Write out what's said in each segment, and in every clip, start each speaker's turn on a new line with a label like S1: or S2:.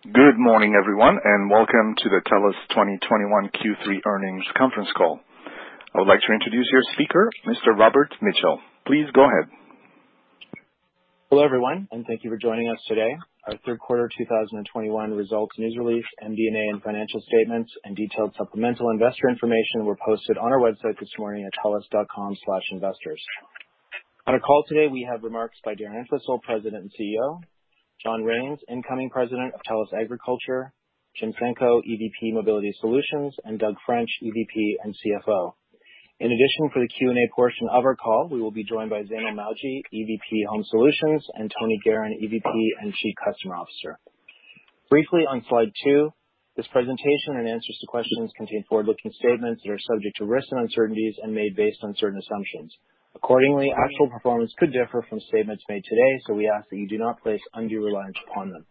S1: Good morning, everyone, and welcome to the TELUS 2021 Q3 earnings Conference Call. I would like to introduce your speaker, Mr. Robert Mitchell. Please go ahead.
S2: Hello, everyone, and thank you for joining us today. Our Q3 2021 results news release, MD&A and financial statements and detailed supplemental investor information were posted on our website this morning at telus.com/investors. On our call today, we have remarks by Darren Entwistle, President and CEO, John Raines, incoming President of TELUS Agriculture, Jim Senko, EVP Mobility Solutions, and Doug French, EVP and CFO. In addition, for the Q&A portion of our call, we will be joined by Zainul Mawji, EVP Home Solutions, and Tony Geheran, EVP and Chief Customer Officer. Briefly on slide 2, this presentation and answers to questions contain forward-looking statements that are subject to risks and uncertainties and made based on certain assumptions. Accordingly, actual performance could differ from statements made today, so we ask that you do not place undue reliance upon them.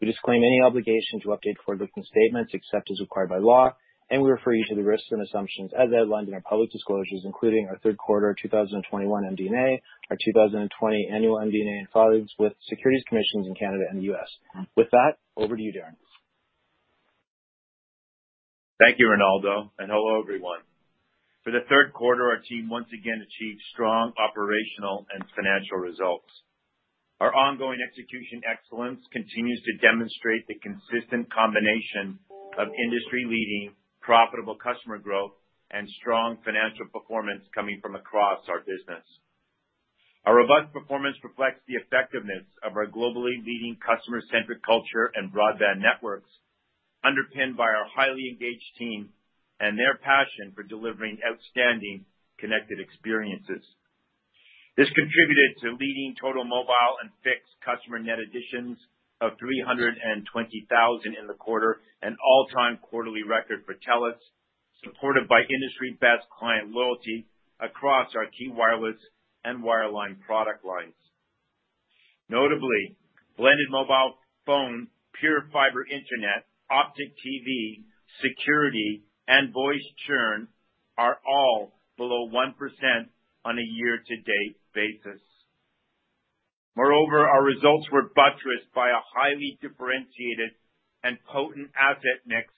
S2: We disclaim any obligation to update forward-looking statements except as required by law, and we refer you to the risks and assumptions as outlined in our public disclosures, including our Q3 2021 MD&A, our 2020 annual MD&A, and filings with securities commissions in Canada and the U.S. With that, over to you, Darren.
S3: Thank you, Robert Mitchell, and hello, everyone. For the Q3, our team once again achieved strong operational and financial results. Our ongoing execution excellence continues to demonstrate the consistent combination of industry-leading profitable customer growth and strong financial performance coming from across our business. Our robust performance reflects the effectiveness of our globally leading customer-centric culture and broadband networks, underpinned by our highly engaged team and their passion for delivering outstanding connected experiences. This contributed to leading total mobile and fixed customer net additions of 320,000 in the quarter, an all-time quarterly record for TELUS, supported by industry best client loyalty across our key wireless and wireline product lines. Notably, blended mobile phone, PureFibre internet, Optik TV, security, and voice churn are all below 1% on a year-to-date basis. Moreover, our results were buttressed by a highly-differentiated and potent asset mix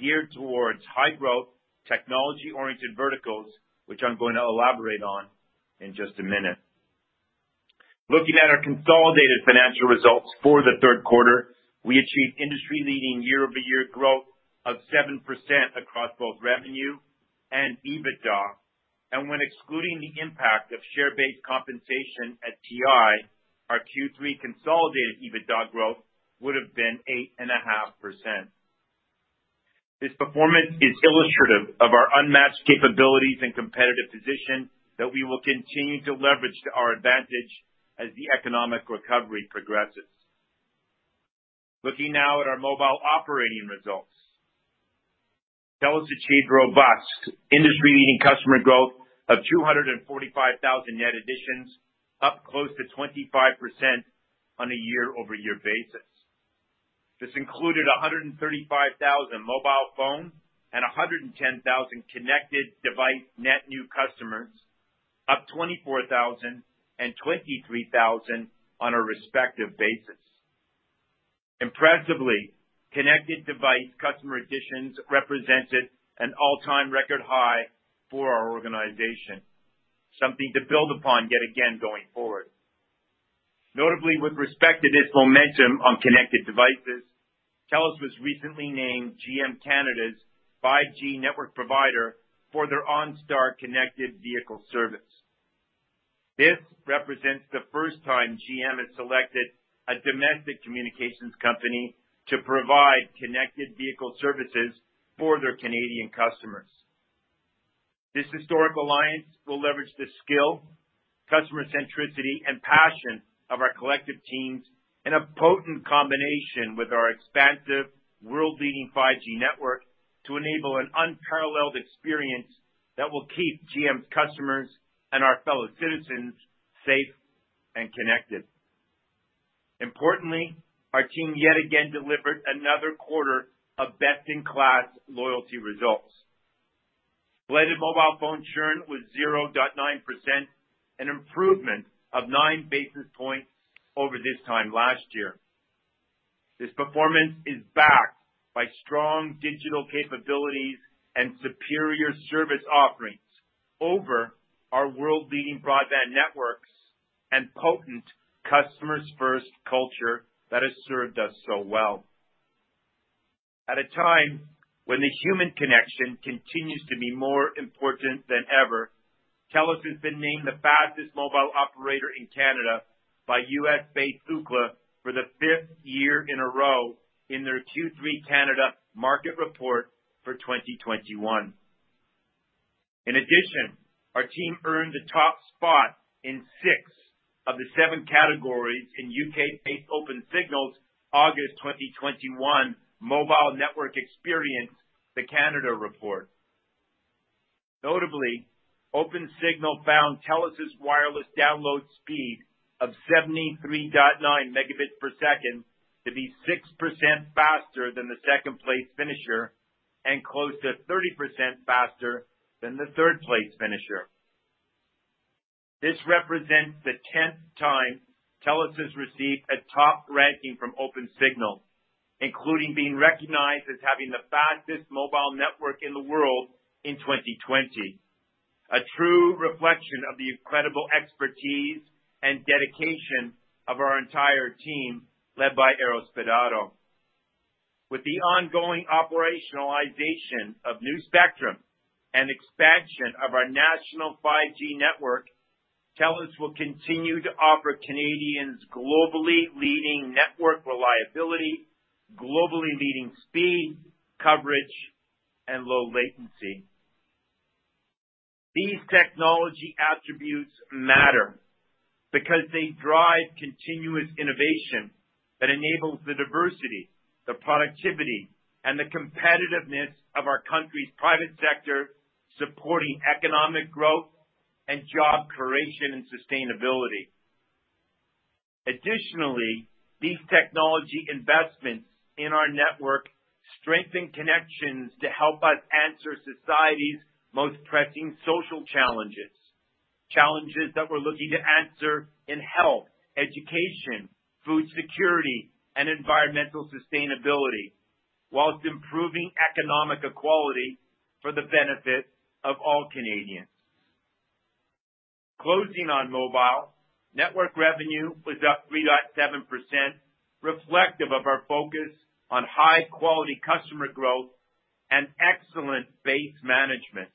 S3: geared towards high-growth, technology-oriented verticals, which I'm going to elaborate on in just a minute. Looking at our consolidated financial results for the Q3, we achieved industry-leading year-over-year growth of 7% across both revenue and EBITDA. When excluding the impact of share-based compensation at TI, our Q3 consolidated EBITDA growth would have been 8.5%. This performance is illustrative of our unmatched capabilities and competitive position that we will continue to leverage to our advantage as the economic recovery progresses. Looking now at our mobile operating results. TELUS achieved robust industry-leading customer growth of 245,000 net additions, up close to 25% on a year-over-year basis. This included 135,000 mobile phones and 110,000 connected device net new customers, up 24,000 and 23,000 on a respective basis. Impressively, connected device customer additions represented an all-time record high for our organization, something to build upon yet again going forward. Notably, with respect to this momentum on connected devices, TELUS was recently named GM Canada's 5G network provider for their OnStar connected vehicle service. This represents the first time GM has selected a domestic communications company to provide connected vehicle services for their Canadian customers. This historic alliance will leverage the skill, customer centricity, and passion of our collective teams in a potent combination with our expansive world-leading 5G network to enable an unparalleled experience that will keep GM's customers and our fellow citizens safe and connected. Importantly, our team yet again delivered another quarter of best-in-class loyalty results. Blended mobile phone churn was 0.9%, an improvement of nine basis points over this time last year. This performance is backed by strong digital capabilities and superior service offerings over our world-leading broadband networks and potent customers first culture that has served us so well. At a time when the human connection continues to be more important than ever, TELUS has been named the fastest mobile operator in Canada by U.S.-based Ookla for the fifth year in a row in their Q3 Canada Market Report for 2021. In addition, our team earned the top spot in six of the seven categories in U.K.-based Opensignal's August 2021 Mobile Network Experience: The Canada Report. Notably, Opensignal found TELUS's wireless download speed of 73.9 Mbps to be 6% faster than the second-place finisher and close to 30% faster than the third-place finisher. This represents the 10th time TELUS has received a top ranking from Opensignal, including being recognized as having the fastest mobile network in the world in 2020. A true reflection of the incredible expertise and dedication of our entire team, led by Eros Spadotto. With the ongoing operationalization of new spectrum and expansion of our national 5G network, TELUS will continue to offer Canadians globally leading network reliability, globally leading speed, coverage, and low latency. These technology attributes matter because they drive continuous innovation that enables the diversity, the productivity, and the competitiveness of our country's private sector, supporting economic growth and job creation and sustainability. Additionally, these technology investments in our network strengthen connections to help us answer society's most pressing social challenges. Challenges that we're looking to answer in health, education, food security, and environmental sustainability, while improving economic equality for the benefit of all Canadians. Closing on mobile, network revenue was up 3.7%, reflective of our focus on high-quality customer growth and excellent base management.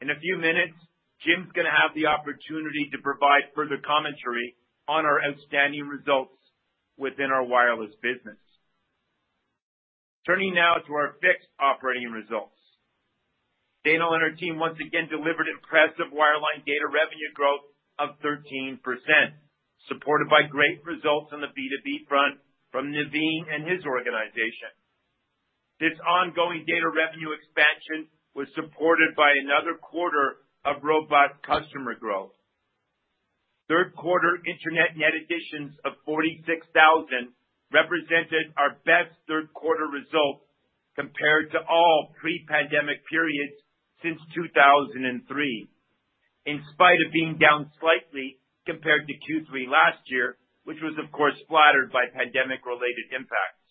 S3: In a few minutes, Jim Senko's gonna have the opportunity to provide further commentary on our outstanding results within our wireless business. Turning now to our fixed operating results. Zainul Mawji and her team once again delivered impressive wireline data revenue growth of 13%, supported by great results on the B2B front from Navin Arora and his organization. This ongoing data revenue expansion was supported by another quarter of robust customer growth. Q3 internet net additions of 46,000 represented our best Q3 result compared to all pre-pandemic periods since 2003. In spite of being down slightly compared to Q3 last year, which was, of course, flattered by pandemic-related impacts.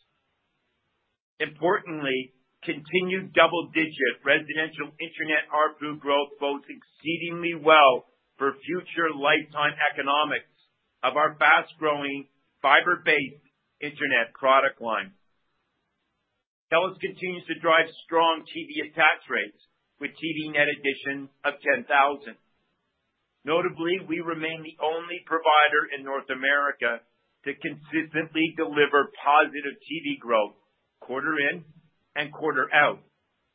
S3: Importantly, continued double-digit residential Internet ARPU growth bodes exceedingly well for future lifetime economics of our fast-growing fiber-based internet product line. TELUS continues to drive strong TV attach rates with TV net addition of 10,000. Notably, we remain the only provider in North America to consistently deliver positive TV growth quarter in and quarter out,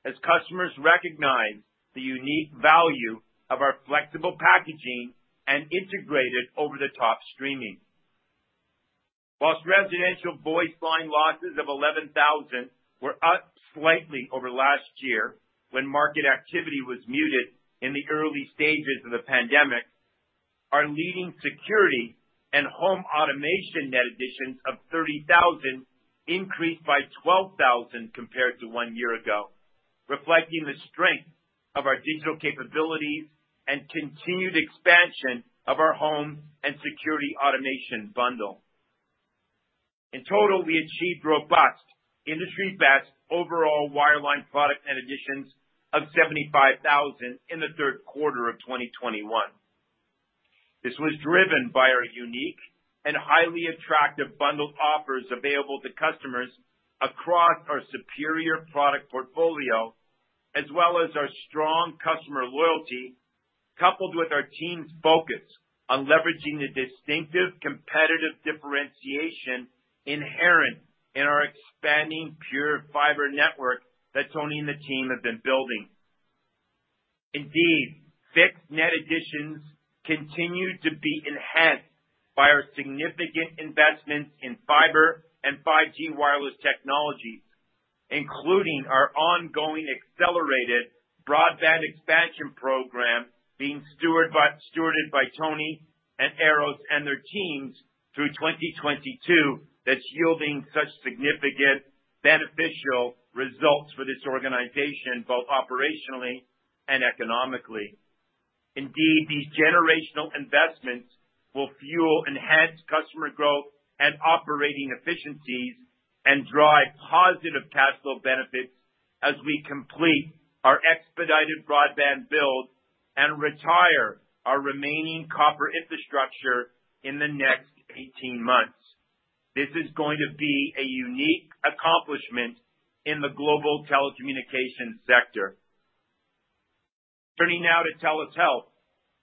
S3: as customers recognize the unique value of our flexible packaging and integrated over-the-top streaming. While residential voice line losses of 11,000 were up slightly over last year when market activity was muted in the early stages of the pandemic, our leading security and home automation net additions of 30,000 increased by 12,000 compared to one year ago, reflecting the strength of our digital capabilities and continued expansion of our home and security automation bundle. In total, we achieved robust industry-best overall wireline product net additions of 75,000 in the Q3 of 2021. This was driven by our unique and highly attractive bundled offers available to customers across our superior product portfolio, as well as our strong customer loyalty, coupled with our team's focus on leveraging the distinctive competitive differentiation inherent in our expanding PureFibre network that Tony and the team have been building. Indeed, fixed net additions continue to be enhanced by our significant investments in fiber and 5G wireless technologies, including our ongoing accelerated broadband expansion program being stewarded by Tony and Eros and their teams through 2022, that's yielding such significant beneficial results for this organization, both operationally and economically. Indeed, these generational investments will fuel enhanced customer growth and operating efficiencies and drive positive cash flow benefits as we complete our expedited broadband build and retire our remaining copper infrastructure in the next 18 months. This is going to be a unique accomplishment in the global telecommunications sector. Turning now to TELUS Health.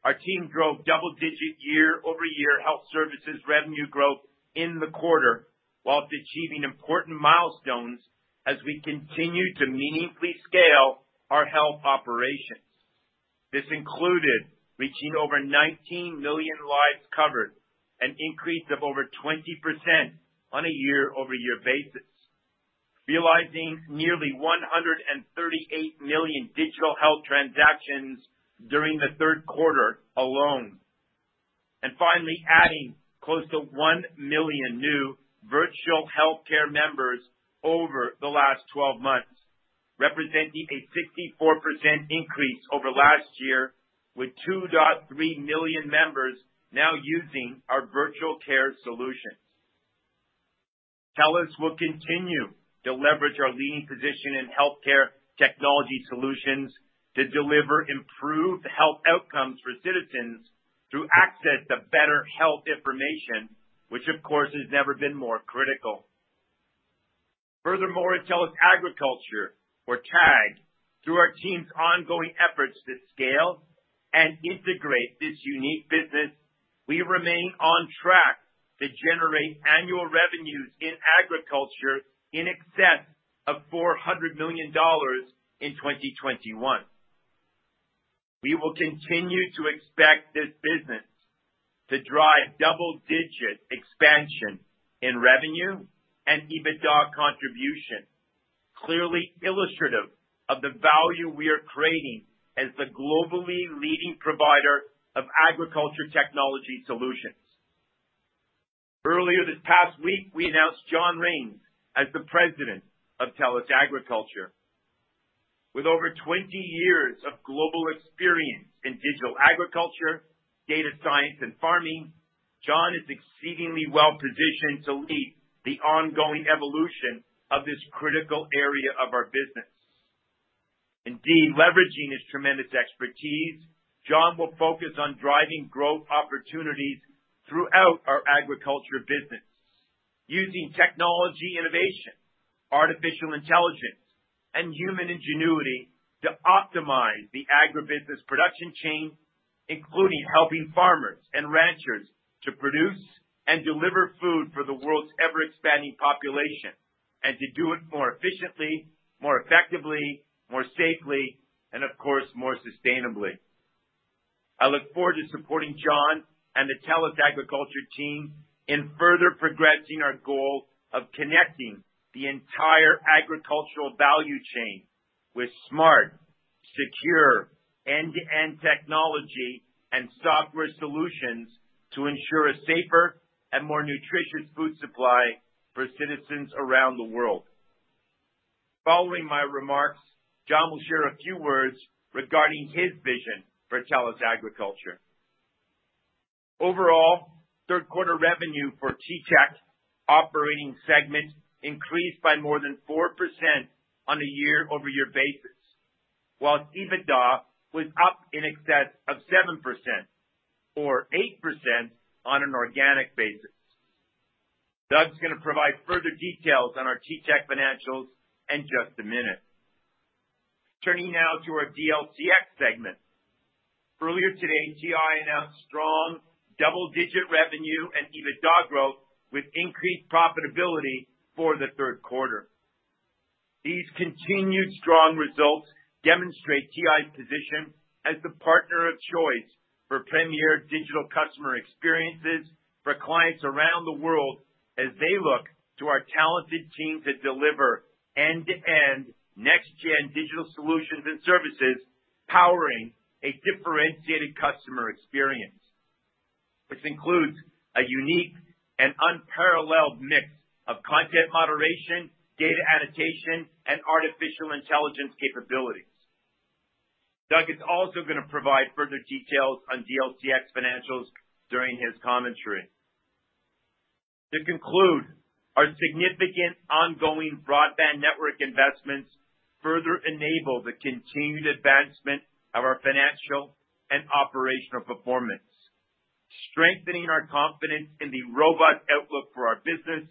S3: Our team drove double-digit year-over-year health services revenue growth in the quarter, while achieving important milestones as we continue to meaningfully scale our health operations. This included reaching over 19 million lives covered, an increase of over 20% on a year-over-year basis, realizing nearly 138 million digital health transactions during the Q3 alone. Finally adding close to 1 million new virtual healthcare members over the last 12 months, representing a 64% increase over last year, with 2.3 million members now using our virtual care solutions. TELUS will continue to leverage our leading position in healthcare technology solutions to deliver improved health outcomes for citizens through access to better health information, which of course has never been more critical. Furthermore, at TELUS Agriculture or TAG, through our team's ongoing efforts to scale and integrate this unique business, we remain on track to generate annual revenues in agriculture in excess of 400 million dollars in 2021. We will continue to expect this business to drive double-digit expansion in revenue and EBITDA contribution, clearly illustrative of the value we are creating as the globally leading provider of agriculture technology solutions. Earlier this past week, we announced John Raines as the President of TELUS Agriculture. With over 20 years of global experience in digital agriculture, data science and farming, John is exceedingly well-positioned to lead the ongoing evolution of this critical area of our business. Indeed, leveraging his tremendous expertise, John will focus on driving growth opportunities throughout our agriculture business using technology innovation, artificial intelligence, and human ingenuity to optimize the agribusiness production chain, including helping farmers and ranchers to produce and deliver food for the world's ever-expanding population, and to do it more efficiently, more effectively, more safely, and of course, more sustainably. I look forward to supporting John and the TELUS Agriculture team in further progressing our goal of connecting the entire agricultural value chain with smart, secure end-to-end technology and software solutions to ensure a safer and more nutritious food supply for citizens around the world. Following my remarks, John will share a few words regarding his vision for TELUS Agriculture. Overall, Q3 revenue for TTech operating segment increased by more than 4% on a year-over-year basis, while EBITDA was up in excess of 7% or 8% on an organic basis. Doug's gonna provide further details on our TTech financials in just a minute. Turning now to our DLCX segment. Earlier today, TI announced strong double-digit revenue and EBITDA growth with increased profitability for the Q3. These continued strong results demonstrate TI's position as the partner of choice for premier digital customer experiences for clients around the world as they look to our talented team to deliver end-to-end next gen digital solutions and services, powering a differentiated customer experience, which includes a unique and unparalleled mix of content moderation, data annotation, and artificial intelligence capabilities. Doug is also gonna provide further details on DLCX financials during his commentary. To conclude, our significant ongoing broadband network investments further enable the continued advancement of our financial and operational performance, strengthening our confidence in the robust outlook for our business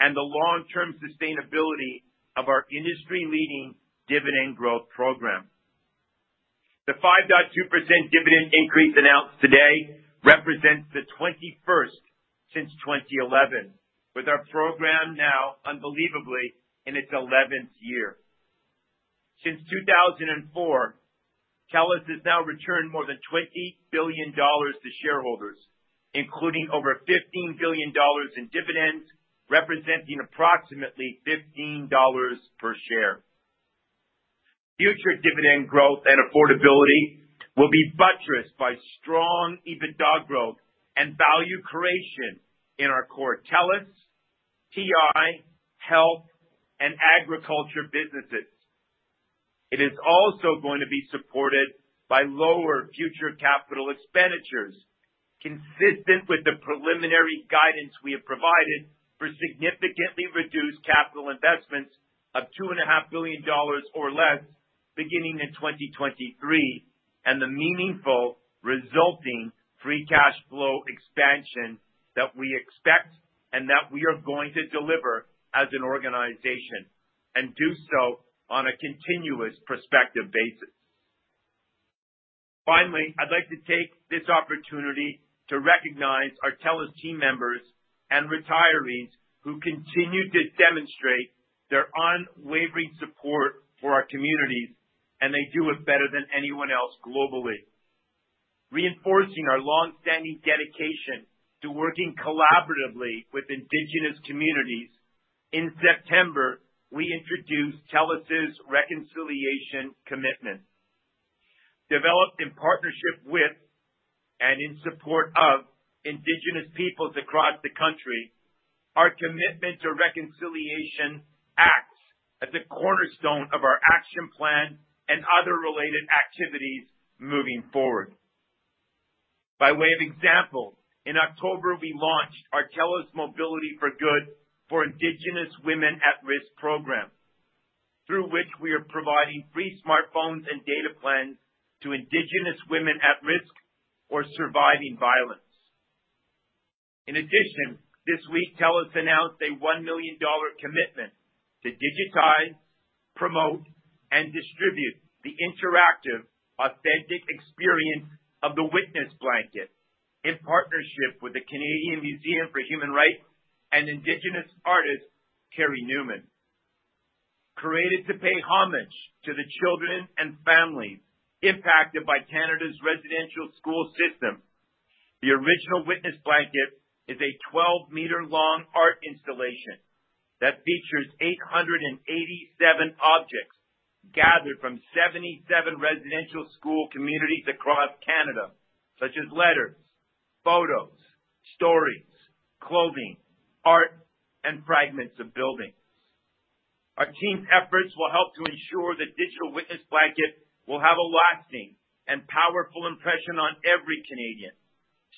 S3: and the long-term sustainability of our industry-leading dividend growth program. The 5.2% dividend increase announced today represents the twenty-first since 2011, with our program now unbelievably in its eleventh year. Since 2004, TELUS has now returned more than 20 billion dollars to shareholders, including over 15 billion dollars in dividends, representing approximately 15 dollars per share. Future dividend growth and affordability will be buttressed by strong EBITDA growth and value creation in our core TELUS, TI, Health, and Agriculture businesses. It is also going to be supported by lower future capital expenditures, consistent with the preliminary guidance we have provided for significantly reduced capital investments of 2.5 billion dollars or less beginning in 2023, and the meaningful resulting free cash flow expansion that we expect and that we are going to deliver as an organization, and do so on a continuous prospective basis. Finally, I'd like to take this opportunity to recognize our TELUS team members and retirees who continue to demonstrate their unwavering support for our communities, and they do it better than anyone else globally. Reinforcing our long-standing dedication to working collaboratively with Indigenous communities. In September, we introduced TELUS's reconciliation commitment. Developed in partnership with and in support of Indigenous peoples across the country, our commitment to reconciliation acts as a cornerstone of our action plan and other related activities moving forward. By way of example, in October, we launched our TELUS Mobility for Good for Indigenous Women at Risk program, through which we are providing free smartphones and data plans to Indigenous women at risk or surviving violence. In addition, this week, TELUS announced a 1 million dollar commitment to digitize, promote, and distribute the interactive, authentic experience of the Witness Blanket in partnership with the Canadian Museum for Human Rights and Indigenous artist Carey Newman. Created to pay homage to the children and families impacted by Canada's residential school system, the original Witness Blanket is a 12-meter long art installation that features 887 objects gathered from 77 residential school communities across Canada, such as letters, photos, stories, clothing, art, and fragments of buildings. Our team's efforts will help to ensure the digital Witness Blanket will have a lasting and powerful impression on every Canadian,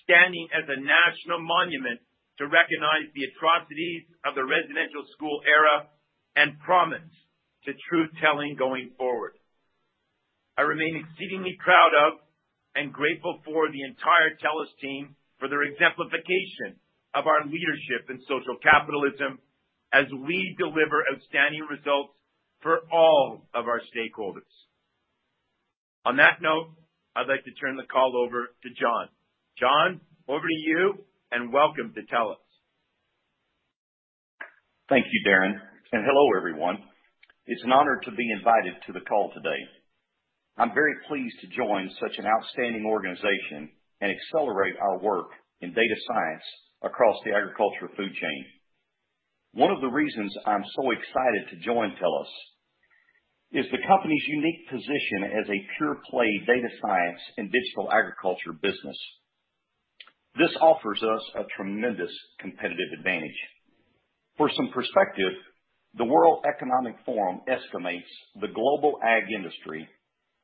S3: standing as a national monument to recognize the atrocities of the residential school era and promise to truth-telling going forward. I remain exceedingly proud of and grateful for the entire TELUS team for their exemplification of our leadership in social capitalism as we deliver outstanding results for all of our stakeholders. On that note, I'd like to turn the call over to John. John, over to you, and welcome to TELUS.
S4: Thank you, Darren, and hello, everyone. It's an honor to be invited to the call today. I'm very pleased to join such an outstanding organization and accelerate our work in data science across the agriculture food chain. One of the reasons I'm so excited to join TELUS is the company's unique position as a pure-play data science and digital agriculture business. This offers us a tremendous competitive advantage. For some perspective, the World Economic Forum estimates the global ag industry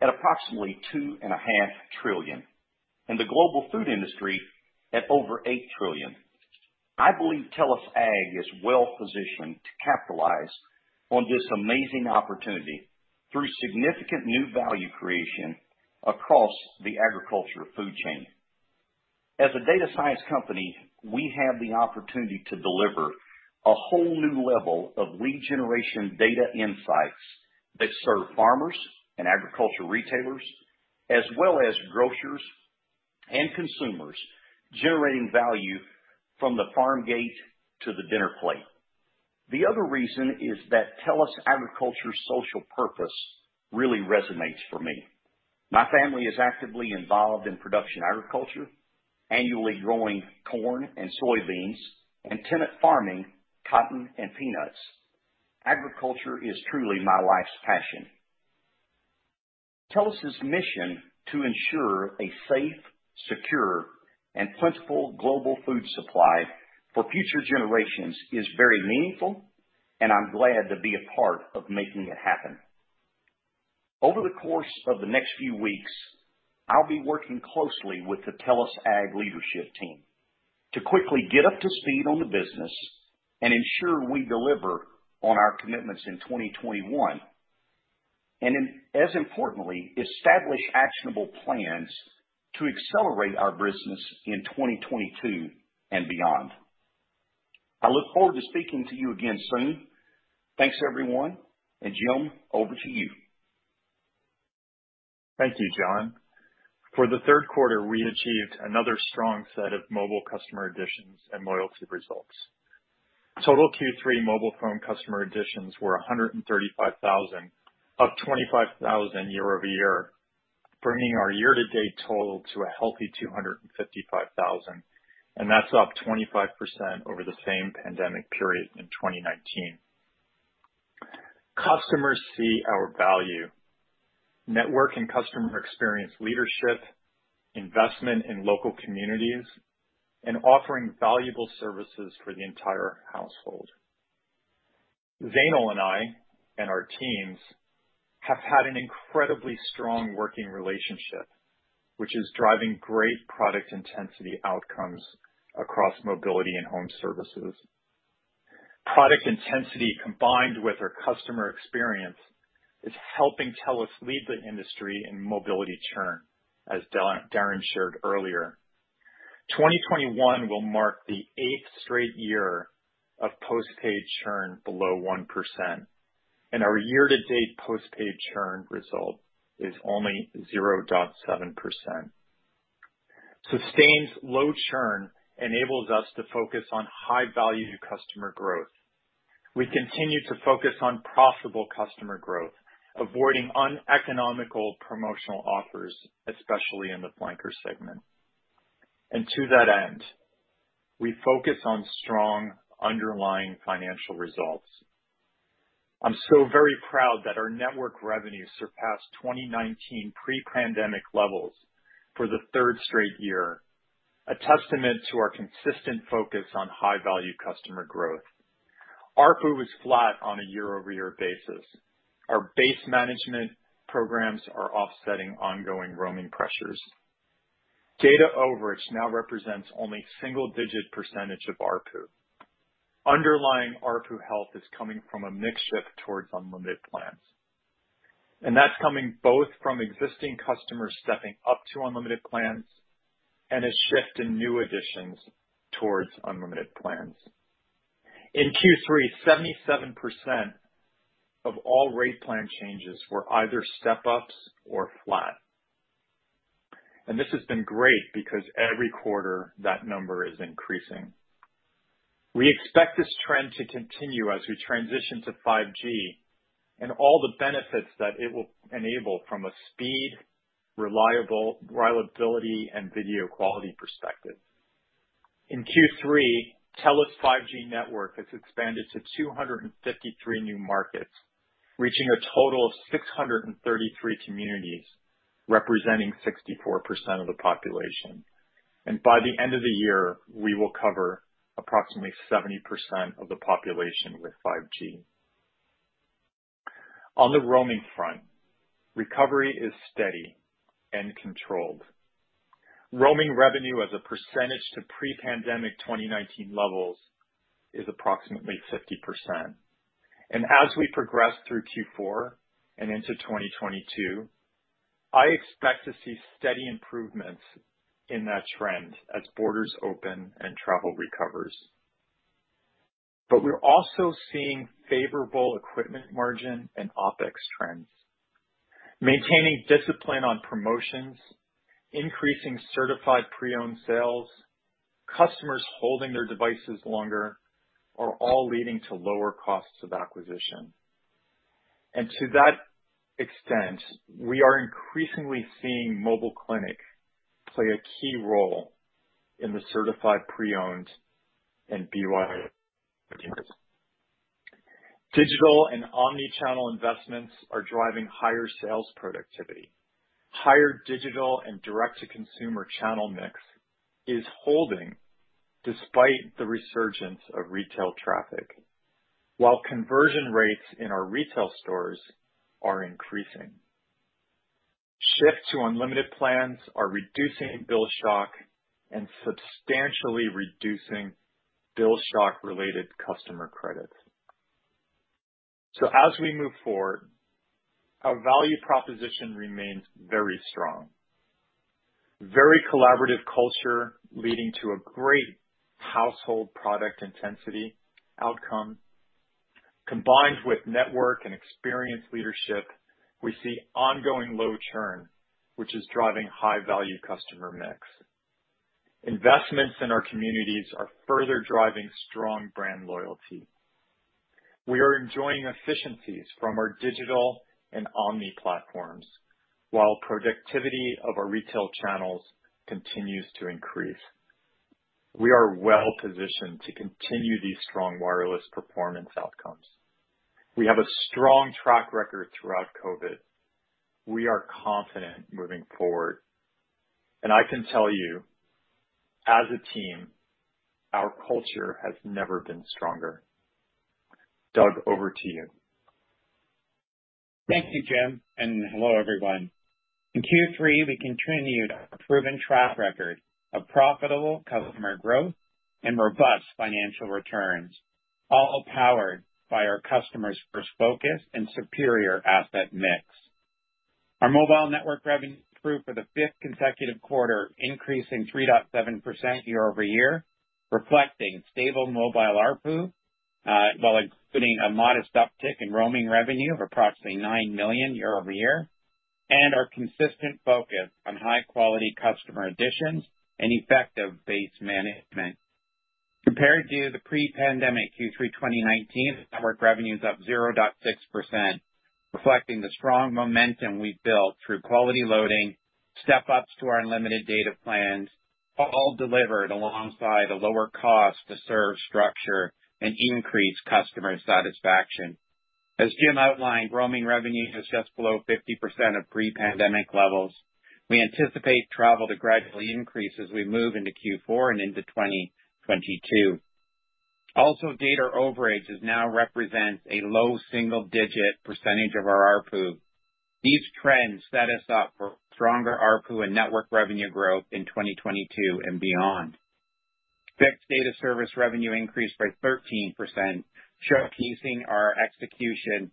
S4: at approximately $2.5 trillion, and the global food industry at over $8 trillion. I believe TELUS Ag is well-positioned to capitalize on this amazing opportunity through significant new value creation across the agriculture food chain. As a data science company, we have the opportunity to deliver a whole new level of lead generation data insights that serve farmers and agriculture retailers, as well as grocers and consumers, generating value from the farm gate to the dinner plate. The other reason is that TELUS Agriculture's social purpose really resonates for me. My family is actively involved in production agriculture, annually growing corn and soybeans, and tenant farming cotton and peanuts. Agriculture is truly my life's passion. TELUS's mission to ensure a safe, secure, and plentiful global food supply for future generations is very meaningful, and I'm glad to be a part of making it happen. Over the course of the next few weeks, I'll be working closely with the TELUS Ag leadership team to quickly get up to speed on the business and ensure we deliver on our commitments in 2021. As importantly, establish actionable plans to accelerate our business in 2022 and beyond. I look forward to speaking to you again soon. Thanks, everyone. Jim, over to you.
S5: Thank you, John. For the Q3, we achieved another strong set of mobile customer additions and loyalty results. Total Q3 mobile phone customer additions were 135,000, up 25,000 year-over-year, bringing our year-to-date total to a healthy 255,000, and that's up 25% over the same pandemic period in 2019. Customers see our value, network and customer experience leadership, investment in local communities, and offering valuable services for the entire household. Zainul and I, and our teams, have had an incredibly strong working relationship, which is driving great product intensity outcomes across mobility and home services. Product intensity combined with our customer experience is helping TELUS lead the industry in mobility churn, as Darren shared earlier. 2021 will mark the 8th straight year of postpaid churn below 1%, and our year-to-date postpaid churn result is only 0.7%. Sustained low churn enables us to focus on high-value customer growth. We continue to focus on profitable customer growth, avoiding uneconomical promotional offers, especially in the flanker segment. To that end, we focus on strong underlying financial results. I'm so very proud that our network revenue surpassed 2019 pre-pandemic levels for the 3rd straight year, a testament to our consistent focus on high-value customer growth. ARPU is flat on a year-over-year basis. Our base management programs are offsetting ongoing roaming pressures. Data overage now represents only single-digit percentage of ARPU. Underlying ARPU health is coming from a mix shift towards unlimited plans, and that's coming both from existing customers stepping up to unlimited plans and a shift in new additions towards unlimited plans. In Q3, 77% of all rate plan changes were either step ups or flat. This has been great because every quarter that number is increasing. We expect this trend to continue as we transition to 5G and all the benefits that it will enable from a speed, reliable, reliability, and video quality perspective. In Q3, TELUS 5G network has expanded to 253 new markets, reaching a total of 633 communities, representing 64% of the population. By the end of the year, we will cover approximately 70% of the population with 5G. On the roaming front, recovery is steady and controlled. Roaming revenue as a percentage to pre-pandemic 2019 levels is approximately 50%. As we progress through Q4 and into 2022, I expect to see steady improvements in that trend as borders open and travel recovers. We're also seeing favorable equipment margin and OpEx trends. Maintaining discipline on promotions, increasing certified pre-owned sales, customers holding their devices longer are all leading to lower costs of acquisition. To that extent, we are increasingly seeing Mobile Klinik play a key role in the certified pre-owned and BYOD. Digital and omni-channel investments are driving higher sales productivity. Higher digital and direct to consumer channel mix is holding despite the resurgence of retail traffic, while conversion rates in our retail stores are increasing. Shifts to unlimited plans are reducing bill shock and substantially reducing bill shock related customer credits. As we move forward, our value proposition remains very strong. Very collaborative culture leading to a great household product intensity outcome. Combined with network and experience leadership, we see ongoing low churn, which is driving high value customer mix. Investments in our communities are further driving strong brand loyalty. We are enjoying efficiencies from our digital and omni platforms, while productivity of our retail channels continues to increase. We are well positioned to continue these strong wireless performance outcomes. We have a strong track record throughout COVID. We are confident moving forward, and I can tell you as a team, our culture has never been stronger. Doug, over to you.
S6: Thank you, Jim, and hello, everyone. In Q3, we continued our proven track record of profitable customer growth and robust financial returns, all powered by our customers first focus and superior asset mix. Our mobile network revenue grew for the fifth consecutive quarter, increasing 3.7% year-over-year, reflecting stable mobile ARPU, while including a modest uptick in roaming revenue of approximately 9 million year-over-year, and our consistent focus on high-quality customer additions and effective base management. Compared to the pre-pandemic Q3 2019, network revenue is up 0.6%, reflecting the strong momentum we've built through quality loading, step ups to our unlimited data plans, all delivered alongside a lower cost to serve structure and increased customer satisfaction. As Jim outlined, roaming revenue is just below 50% of pre-pandemic levels. We anticipate travel to gradually increase as we move into Q4 and into 2022. Also, data overage now represents a low single-digit percentage of our ARPU. These trends set us up for stronger ARPU and network revenue growth in 2022 and beyond. Fixed data service revenue increased by 13%, showcasing our execution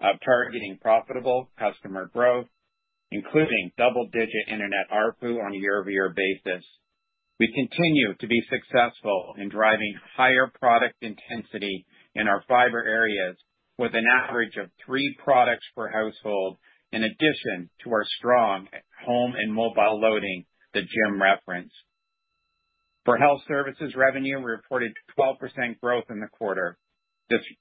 S6: of targeting profitable customer growth, including double-digit internet ARPU on a year-over-year basis. We continue to be successful in driving higher product intensity in our fiber areas with an average of 3 products per household in addition to our strong home and mobile loading that Jim referenced. For health services revenue, we reported 12% growth in the quarter.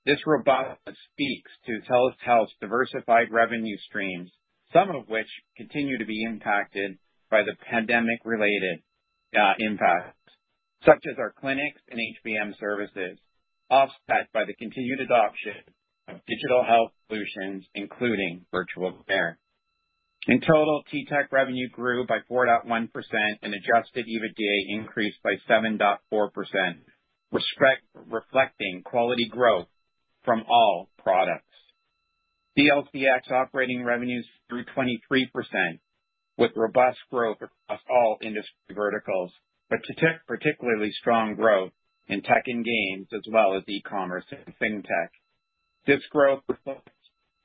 S6: This robustness speaks to TELUS Health's diversified revenue streams, some of which continue to be impacted by the pandemic-related impacts, such as our clinics and EHM services, offset by the continued adoption of digital health solutions, including virtual care. In total, TTech revenue grew by 4.1% and adjusted EBITDA increased by 7.4%, reflecting quality growth from all products. DLCX operating revenues grew 23% with robust growth across all industry verticals, but particularly strong growth in tech and games as well as e-commerce and fintech. This growth reflects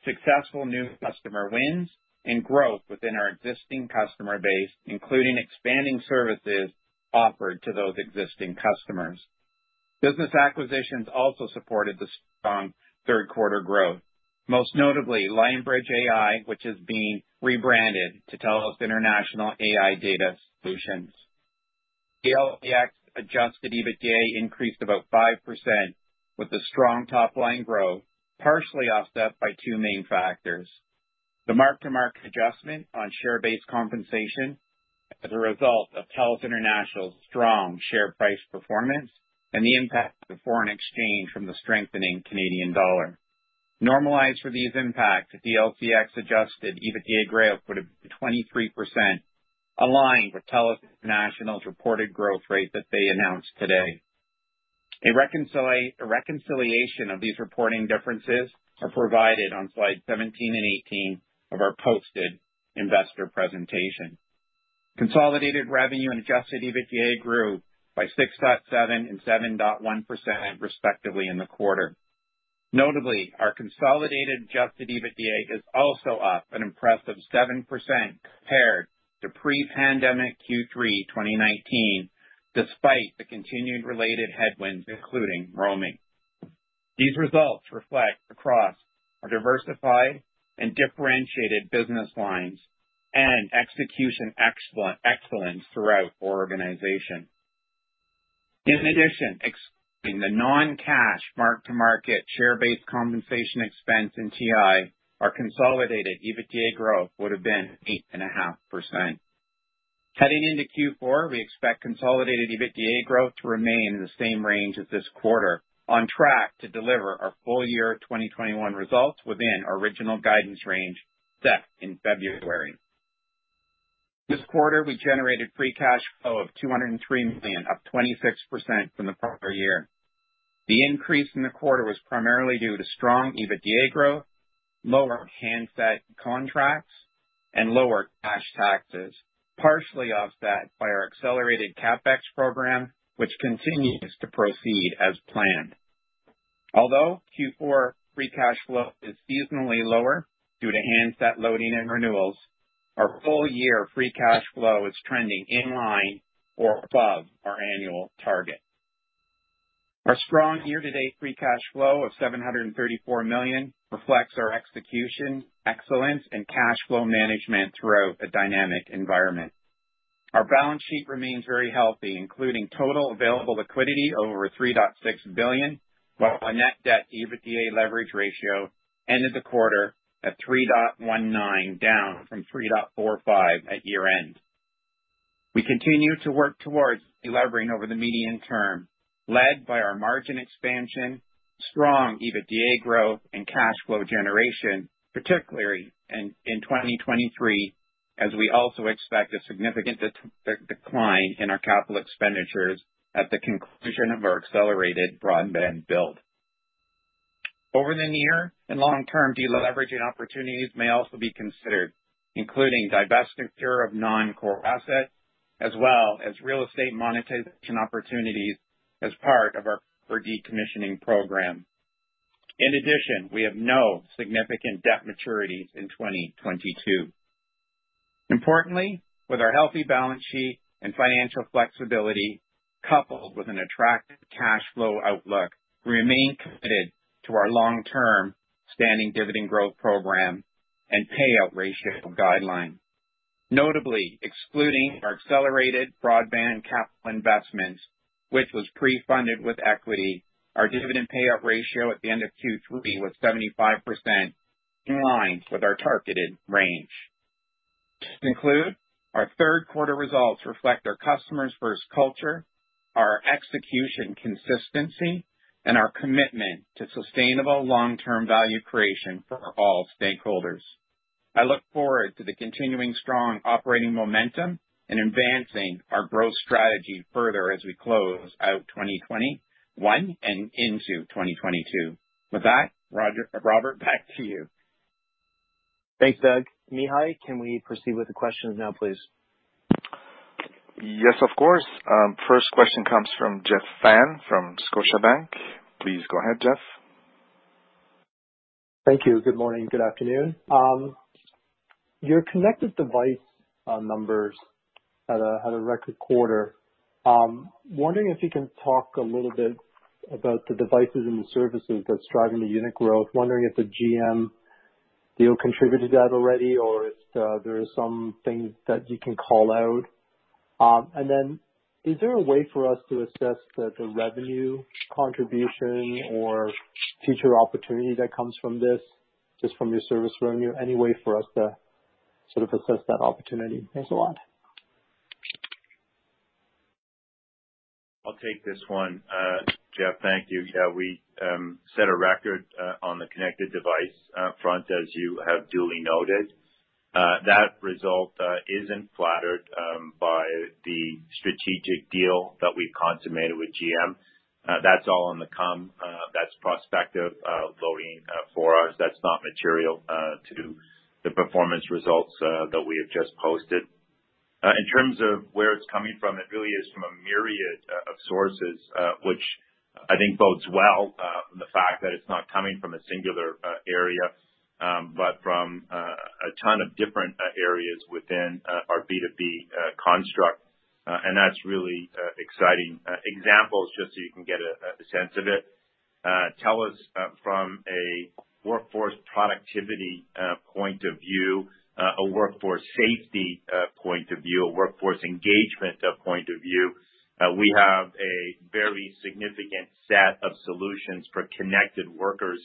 S6: successful new customer wins and growth within our existing customer base, including expanding services offered to those existing customers. Business acquisitions also supported the strong Q3 growth, most notably Lionbridge AI, which is being rebranded to TELUS International AI Data Solutions. DLCX adjusted EBITDA increased about 5% with the strong top-line growth, partially offset by two main factors. The mark-to-market adjustment on share-based compensation as a result of TELUS International's strong share price performance and the impact of foreign exchange from the strengthening Canadian dollar. Normalized for these impacts, DLCX adjusted EBITDA growth would have been 23%, aligned with TELUS International's reported growth rate that they announced today. A reconciliation of these reporting differences are provided on slide 17 and 18 of our posted investor presentation. Consolidated revenue and adjusted EBITDA grew by 6.7% and 7.1% respectively in the quarter. Notably, our consolidated adjusted EBITDA is also up an impressive 7% compared to pre-pandemic Q3 2019, despite the continued related headwinds, including roaming. These results reflect across our diversified and differentiated business lines and execution excellence throughout our organization. In addition, excluding the non-cash mark-to-market share-based compensation expense in TI, our consolidated EBITDA growth would have been 8.5%. Heading into Q4, we expect consolidated EBITDA growth to remain in the same range as this quarter, on track to deliver our full-year 2021 results within our original guidance range set in February. This quarter, we generated free cash flow of 203 million, up 26% from the prior year. The increase in the quarter was primarily due to strong EBITDA growth, lower handset contracts, and lower cash taxes, partially offset by our accelerated CapEx program, which continues to proceed as planned. Although Q4 free cash flow is seasonally lower due to handset loading and renewals, our full-year free cash flow is trending in line or above our annual target. Our strong year-to-date free cash flow of 734 million reflects our execution, excellence, and cash flow management throughout a dynamic environment. Our balance sheet remains very healthy, including total available liquidity over 3.6 billion, while our net debt EBITDA leverage ratio ended the quarter at 3.19, down from 3.45 at year-end. We continue to work towards delevering over the medium term, led by our margin expansion, strong EBITDA growth, and cash flow generation, particularly in 2023, as we also expect a significant decline in our capital expenditures at the conclusion of our accelerated broadband build. Over the near and long-term, deleveraging opportunities may also be considered, including divestiture of non-core assets as well as real estate monetization opportunities as part of our decommissioning program. In addition, we have no significant debt maturities in 2022. Importantly, with our healthy balance sheet and financial flexibility, coupled with an attractive cash flow outlook, we remain committed to our long-term standing dividend growth program and payout ratio guideline. Notably, excluding our accelerated broadband capital investments, which was pre-funded with equity, our dividend payout ratio at the end of Q3 was 75%, in line with our targeted range. Just to conclude, our Q3 results reflect our customers first culture, our execution consistency, and our commitment to sustainable long-term value creation for all stakeholders. I look forward to the continuing strong operating momentum and advancing our growth strategy further as we close out 2021 and into 2022. With that, Robert Mitchell, back to you.
S2: Thanks, Doug. Mihai, can we proceed with the questions now, please?
S1: Yes, of course. First question comes from Jeff Fan from Scotiabank. Please go ahead, Jeff.
S7: Thank you. Good morning. Good afternoon. Your connected device numbers had a record quarter. Wondering if you can talk a little bit about the devices and the services that's driving the unit growth. Wondering if the GM deal contributes to that already or is there some things that you can call out? Is there a way for us to assess the revenue contribution or future opportunity that comes from this, just from your service revenue? Any way for us to sort of assess that opportunity? Thanks a lot.
S3: I'll take this one, Jeff, thank you. Yeah, we set a record on the connected device front, as you have duly noted. That result isn't flattered by the strategic deal that we consummated with GM. That's all on the come, that's prospective loading for us. That's not material to the performance results that we have just posted. In terms of where it's coming from, it really is from a myriad of sources, which I think bodes well, the fact that it's not coming from a singular area, but from a ton of different areas within our B2B construct. That's really exciting. Examples, just so you can get a sense of it, TELUS from a workforce productivity point of view, a workforce safety point of view, a workforce engagement point of view. We have a very significant set of solutions for connected workers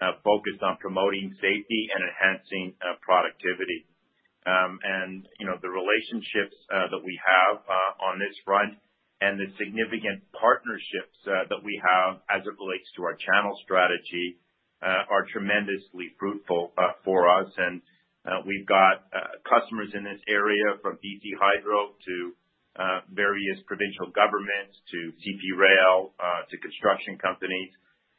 S3: focused on promoting safety and enhancing productivity. You know, the relationships that we have on this front and the significant partnerships that we have as it relates to our channel strategy are tremendously fruitful for us. We've got customers in this area from BC Hydro to various provincial governments to CP Rail to construction companies.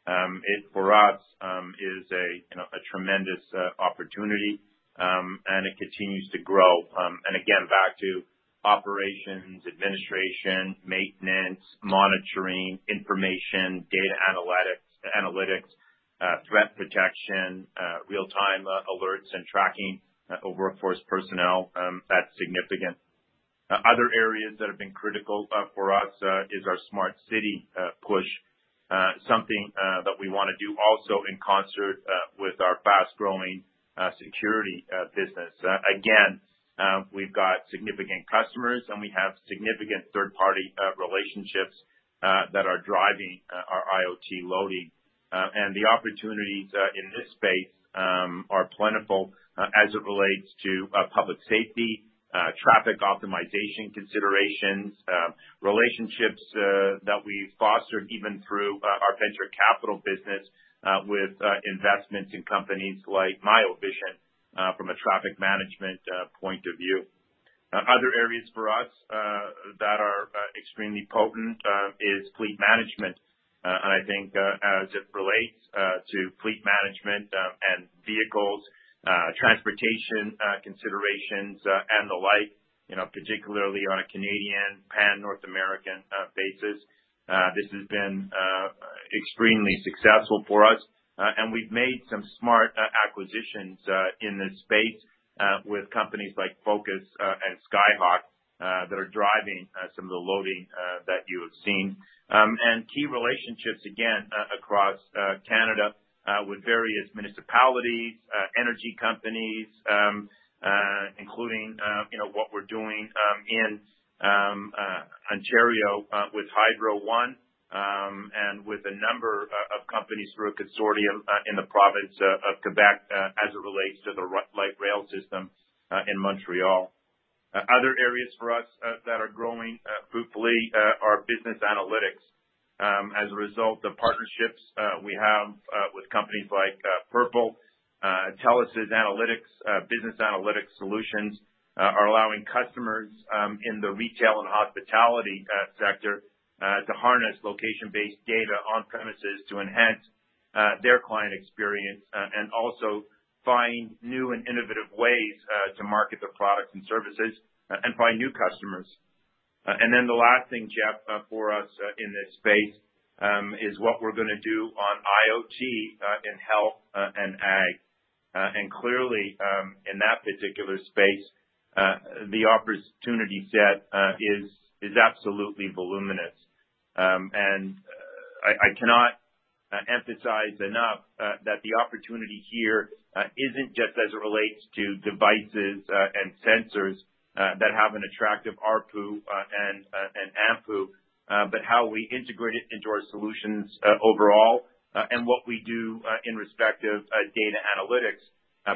S3: It for us is, you know, a tremendous opportunity, and it continues to grow. Again, back to operations, administration, maintenance, monitoring, information, data analytics, threat protection, real-time alerts and tracking of workforce personnel, that's significant. Other areas that have been critical for us is our smart city push. Something that we wanna do also in concert with our fast-growing security business. Again, we've got significant customers, and we have significant third-party relationships that are driving our IoT loading. The opportunities in this space are plentiful as it relates to public safety, traffic optimization considerations, relationships that we've fostered even through our venture capital business with investments in companies like Miovision from a traffic management point of view. Other areas for us that are extremely potent is fleet management. I think as it relates to fleet management and vehicles, transportation considerations, and the like, you know, particularly on a Canadian, pan-North American basis, this has been extremely successful for us. We've made some smart acquisitions in this space with companies like FOCUS and SkyHawk that are driving some of the loading that you have seen. Key relationships, again, across Canada with various municipalities, energy companies, including, you know, what we're doing in Ontario with Hydro One, and with a number of companies through a consortium in the province of Quebec, as it relates to the REM light rail system in Montreal. Other areas for us that are growing fruitfully are business analytics. As a result, the partnerships we have with companies like Purple Forge, TELUS's business analytics solutions are allowing customers in the retail and hospitality sector to harness location-based data on premises to enhance their client experience and also find new and innovative ways to market their products and services and find new customers. The last thing, Jeff, for us, in this space, is what we're gonna do on IoT, in health, and ag. Clearly, in that particular space, the opportunity set is absolutely voluminous. I cannot emphasize enough that the opportunity here isn't just as it relates to devices and sensors that have an attractive ARPU and AMPU, but how we integrate it into our solutions overall and what we do in respect of data analytics,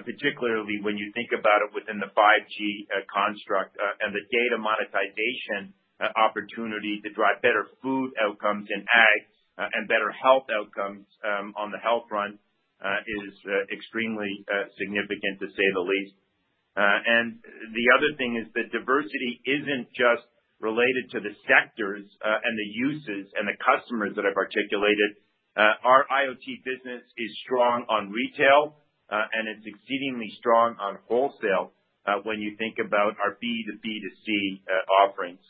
S3: particularly when you think about it within the 5G construct. The data monetization opportunity to drive better food outcomes in ag and better health outcomes on the health front is extremely significant to say the least. The other thing is that diversity isn't just related to the sectors, and the uses and the customers that I've articulated. Our IoT business is strong on retail, and it's exceedingly strong on wholesale, when you think about our B2B2C offerings.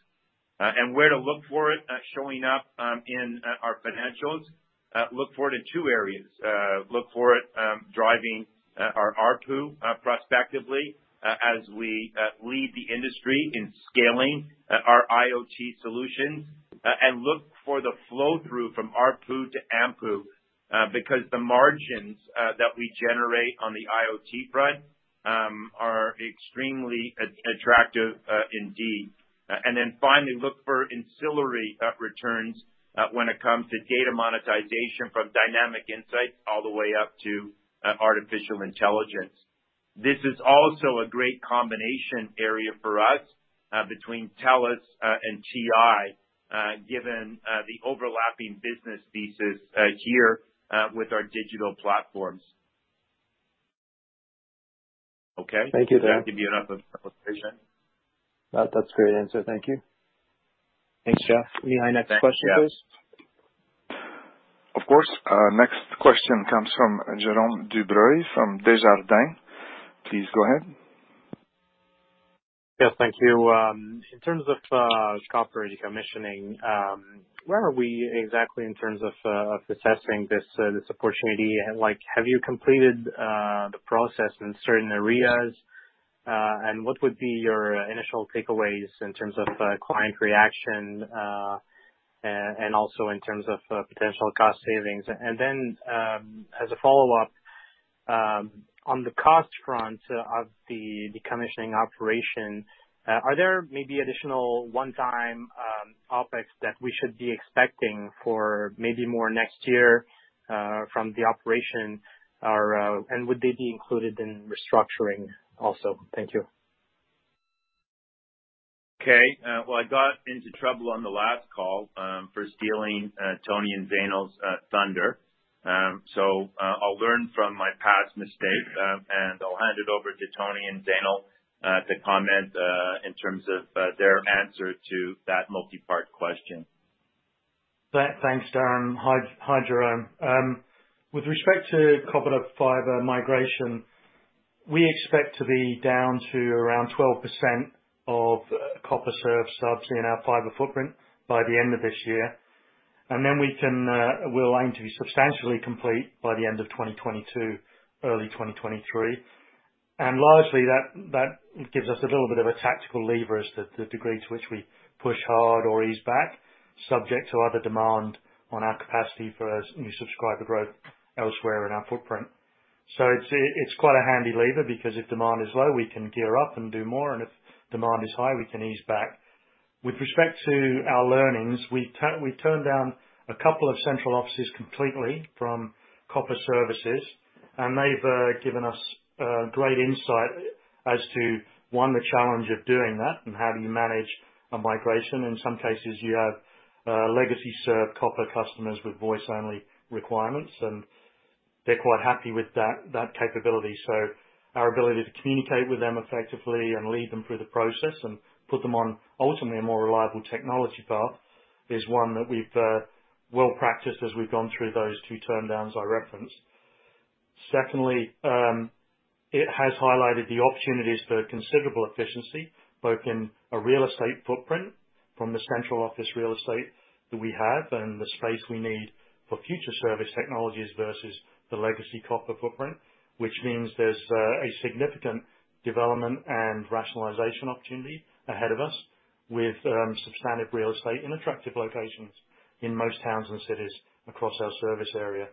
S3: Where to look for it showing up in our financials, look for it in two areas. Look for it driving our ARPU prospectively, as we lead the industry in scaling our IoT solutions. Look for the flow through from ARPU to AMPU, because the margins that we generate on the IoT front are extremely attractive, indeed. Finally, look for ancillary returns when it comes to data monetization from dynamic insights all the way up to artificial intelligence. This is also a great combination area for us between TELUS and TI, given the overlapping business thesis here with our digital platforms. Okay?
S7: Thank you, Darren.
S3: Does that give you enough of an explanation?
S7: That's a great answer. Thank you.
S3: Thanks, Jeff. Any other next question, please?
S1: Of course. Next question comes from Jerome Dubreuil from Desjardins. Please go ahead.
S8: Yes, thank you. In terms of copper decommissioning, where are we exactly in terms of assessing this opportunity? Like, have you completed the process in certain areas? And what would be your initial takeaways in terms of client reaction, and also in terms of potential cost savings? Then, as a follow-up, on the cost front of the decommissioning operation, are there maybe additional one-time OPEX that we should be expecting for maybe more next year from the operation? Or, would they be included in restructuring also? Thank you.
S3: Okay. Well, I got into trouble on the last call for stealing Tony and Zainul's thunder. I'll learn from my past mistake, and I'll hand it over to Tony and Zainul to comment in terms of their answer to that multi-part question.
S9: Thanks, Darren. Hi, Jerome. With respect to copper to fiber migration, we expect to be down to around 12% of copper served subs in our fiber footprint by the end of this year. Then we can, we'll aim to be substantially complete by the end of 2022, early 2023. Largely that gives us a little bit of a tactical lever as to the degree to which we push hard or ease back, subject to other demand on our capacity for new subscriber growth elsewhere in our footprint. It's quite a handy lever because if demand is low, we can gear up and do more, and if demand is high, we can ease back. With respect to our learnings, we turned down a couple of central offices completely from copper services, and they've given us great insight as to, one, the challenge of doing that and how do you manage a migration. In some cases, you have legacy served copper customers with voice-only requirements, and they're quite happy with that capability. Our ability to communicate with them effectively and lead them through the process and put them on, ultimately, a more reliable technology path is one that we've well-practiced as we've gone through those two turndowns I referenced. Secondly, it has highlighted the opportunities for considerable efficiency, both in a real estate footprint from the central office real estate that we have and the space we need for future service technologies versus the legacy copper footprint, which means there's a significant development and rationalization opportunity ahead of us with substantive real estate in attractive locations in most towns and cities across our service area.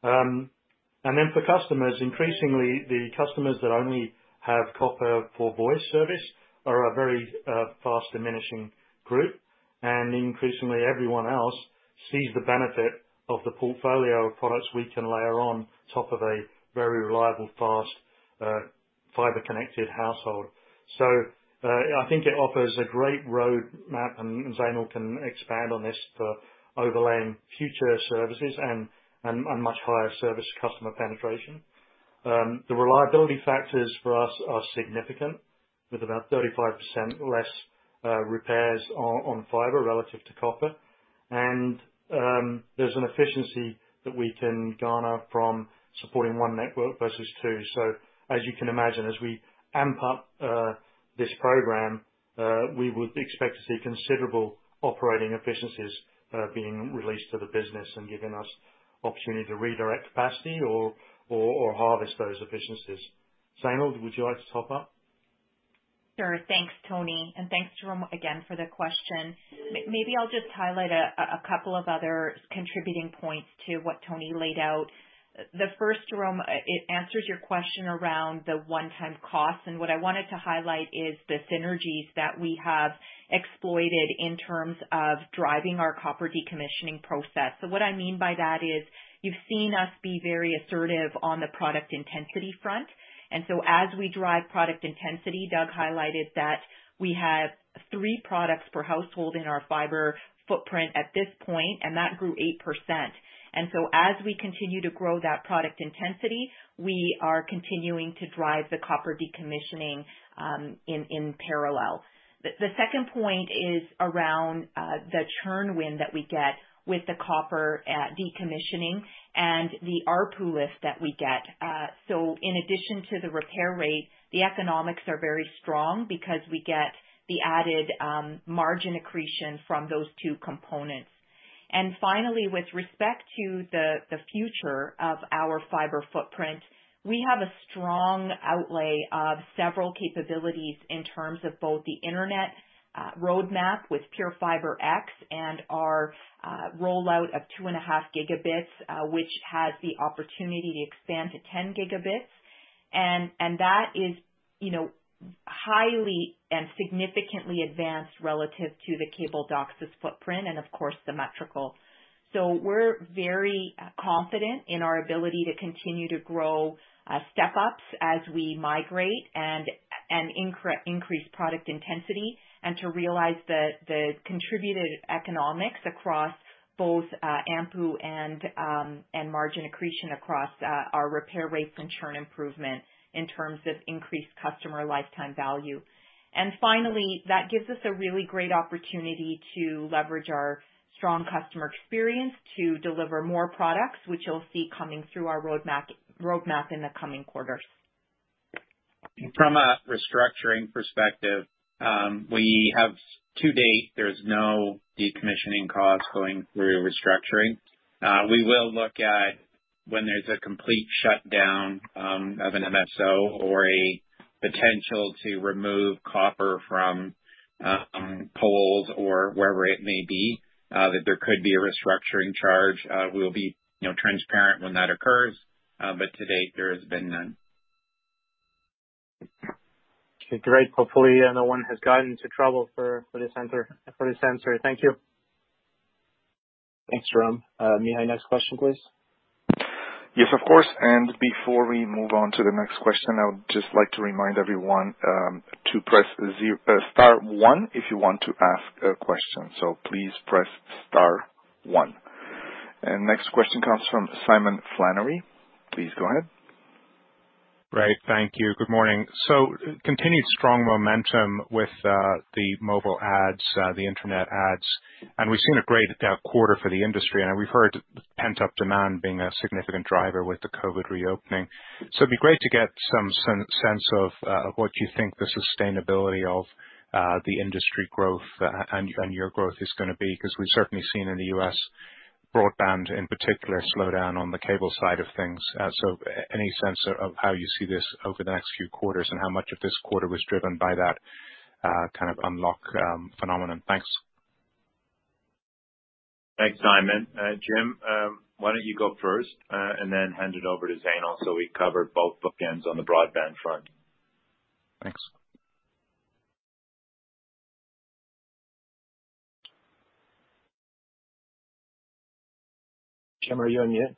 S9: For customers, increasingly, the customers that only have copper for voice service are a very fast diminishing group. Increasingly, everyone else sees the benefit of the portfolio of products we can layer on top of a very reliable, fast, fiber-connected household. I think it offers a great road map, and Zainul can expand on this, for overlaying future services and much higher service customer penetration. The reliability factors for us are significant, with about 35% less repairs on fiber relative to copper. There's an efficiency that we can garner from supporting one network versus two. As you can imagine, as we amp up this program, we would expect to see considerable operating efficiencies being released to the business and giving us opportunity to redirect capacity or harvest those efficiencies. Zainul, would you like to top-up?
S10: Sure. Thanks, Tony. Thanks, Jerome, again for the question. Maybe I'll just highlight a couple of other contributing points to what Tony laid out. The first, Jerome, it answers your question around the one-time cost. What I wanted to highlight is the synergies that we have exploited in terms of driving our copper decommissioning process. What I mean by that is you've seen us be very assertive on the product intensity front. As we drive product intensity, Doug highlighted that we have three products per household in our fiber footprint at this point, and that grew 8%. As we continue to grow that product intensity, we are continuing to drive the copper decommissioning in parallel. The second point is around the churn win that we get with the copper decommissioning and the ARPU lift that we get. In addition to the repair rate, the economics are very strong because we get the added margin accretion from those two components. Finally, with respect to the future of our fiber footprint, we have a strong outlay of several capabilities in terms of both the Internet roadmap with PureFibre X and our rollout of 2.5 gigabits, which has the opportunity to expand to 10 gigabits. That is, you know, highly and significantly advanced relative to the cable DOCSIS footprint and of course symmetrical. We're very confident in our ability to continue to grow step-ups as we migrate and increase product intensity and to realize the contributed economics across both AMPU and margin accretion across our repair rates and churn improvement in terms of increased customer lifetime value. Finally, that gives us a really great opportunity to leverage our strong customer experience to deliver more products, which you'll see coming through our roadmap in the coming quarters.
S6: From a restructuring perspective, to date, there's no decommissioning costs going through restructuring. We will look at when there's a complete shutdown of an MSO or a potential to remove copper from poles or wherever it may be, that there could be a restructuring charge. We'll be, you know, transparent when that occurs. To date, there has been none.
S8: Okay, great. Hopefully no one has gotten into trouble for this answer. Thank you.
S6: Thanks, Jerome. Mihai, next question, please.
S1: Yes, of course. Before we move on to the next question, I would just like to remind everyone to press star one if you want to ask a question. Please press star one. Next question comes from Simon Flannery. Please go ahead.
S11: Great. Thank you. Good morning. Continued strong momentum with the mobile adds, the internet adds, and we've seen a great quarter for the industry, and we've heard pent-up demand being a significant driver with the COVID reopening. It'd be great to get some sense of what you think the sustainability of the industry growth and your growth is gonna be, because we've certainly seen in the U.S. broadband in particular slow down on the cable side of things. Any sense of how you see this over the next few quarters and how much of this quarter was driven by that kind of unlock phenomenon? Thanks.
S6: Thanks, Simon. Jim, why don't you go first, and then hand it over to Zainul, so we cover both bookends on the broadband front.
S11: Thanks.
S6: Jim, are you on mute?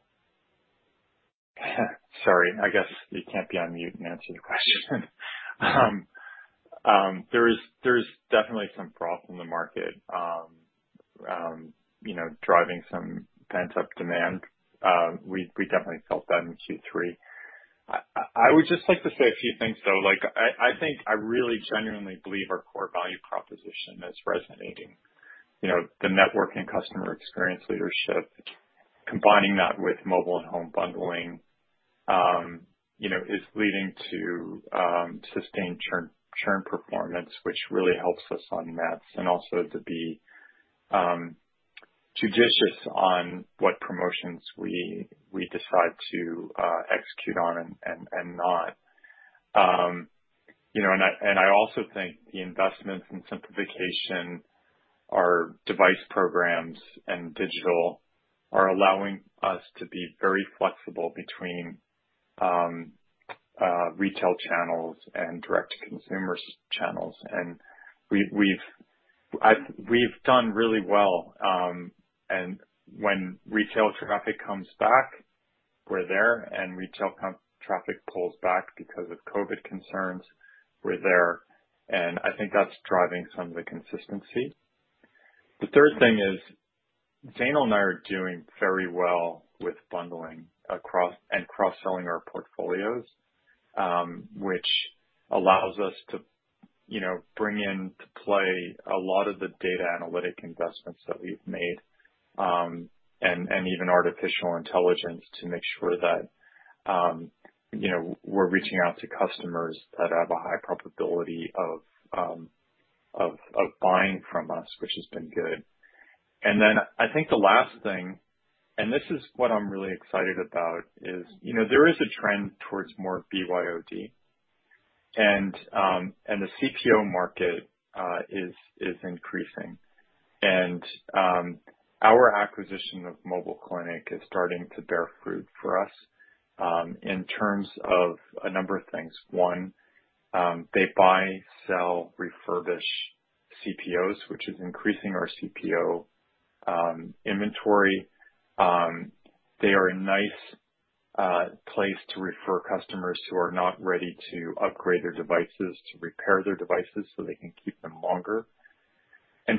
S5: Sorry, I guess you can't be on mute and answer the question. There is definitely some froth in the market, you know, driving some pent-up demand. We definitely felt that in Q3. I would just like to say a few things, though. Like I think I really genuinely believe our core value proposition is resonating. You know, the network and customer experience leadership, combining that with mobile and home bundling, you know, is leading to sustained churn performance, which really helps us on math and also to be judicious on what promotions we decide to execute on and not. You know, I also think the investments in simplification, our device programs and digital are allowing us to be very flexible between retail channels and direct-to-consumer channels. We've done really well, and when retail traffic comes back, we're there, and retail traffic pulls back because of COVID concerns, we're there. I think that's driving some of the consistency. The third thing is, Zainul and I are doing very well with bundling across and cross-selling our portfolios, which allows us to, you know, bring into play a lot of the data analytic investments that we've made, and even artificial intelligence to make sure that, you know, we're reaching out to customers that have a high probability of buying from us, which has been good. Then I think the last thing, and this is what I'm really excited about, is, you know, there is a trend towards more BYOD and the CPO market is increasing. Our acquisition of Mobile Klinik is starting to bear fruit for us, in terms of a number of things. One, they buy, sell, refurbish CPOs, which is increasing our CPO inventory. They are a nice place to refer customers who are not ready to upgrade their devices, to repair their devices so they can keep them longer.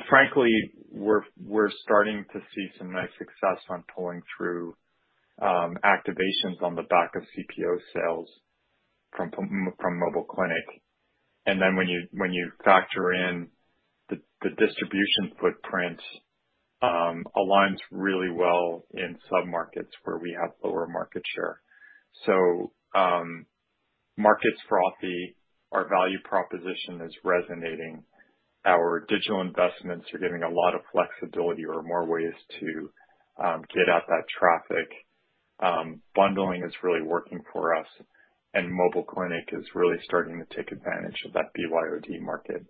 S5: Frankly, we're starting to see some nice success on pulling through activations on the back of CPO sales from Mobile Klinik. Then when you factor in the distribution footprint aligns really well in submarkets where we have lower market share. So, um- Market's frothy. Our value proposition is resonating. Our digital investments are giving a lot of flexibility or more ways to get at that traffic. Bundling is really working for us, and Mobile Klinik is really starting to take advantage of that BYOD market.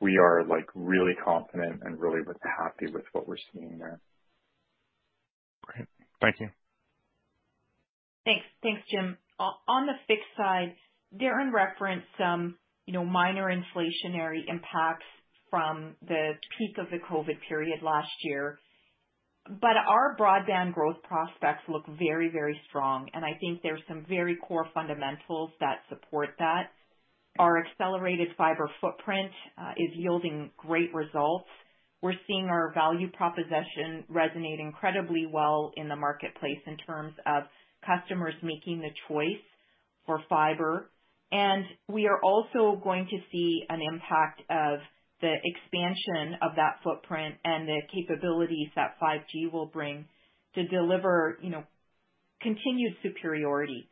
S5: We are, like, really confident and really happy with what we're seeing there.
S11: Great. Thank you.
S10: Thanks. Thanks, Jim. On the fixed side, Darren referenced some, you know, minor inflationary impacts from the peak of the COVID period last year. Our broadband growth prospects look very, very strong, and I think there's some very core fundamentals that support that. Our accelerated fiber footprint is yielding great results. We're seeing our value proposition resonate incredibly well in the marketplace in terms of customers making the choice for fiber. We are also going to see an impact of the expansion of that footprint and the capabilities that 5G will bring to deliver, you know, continued superiority.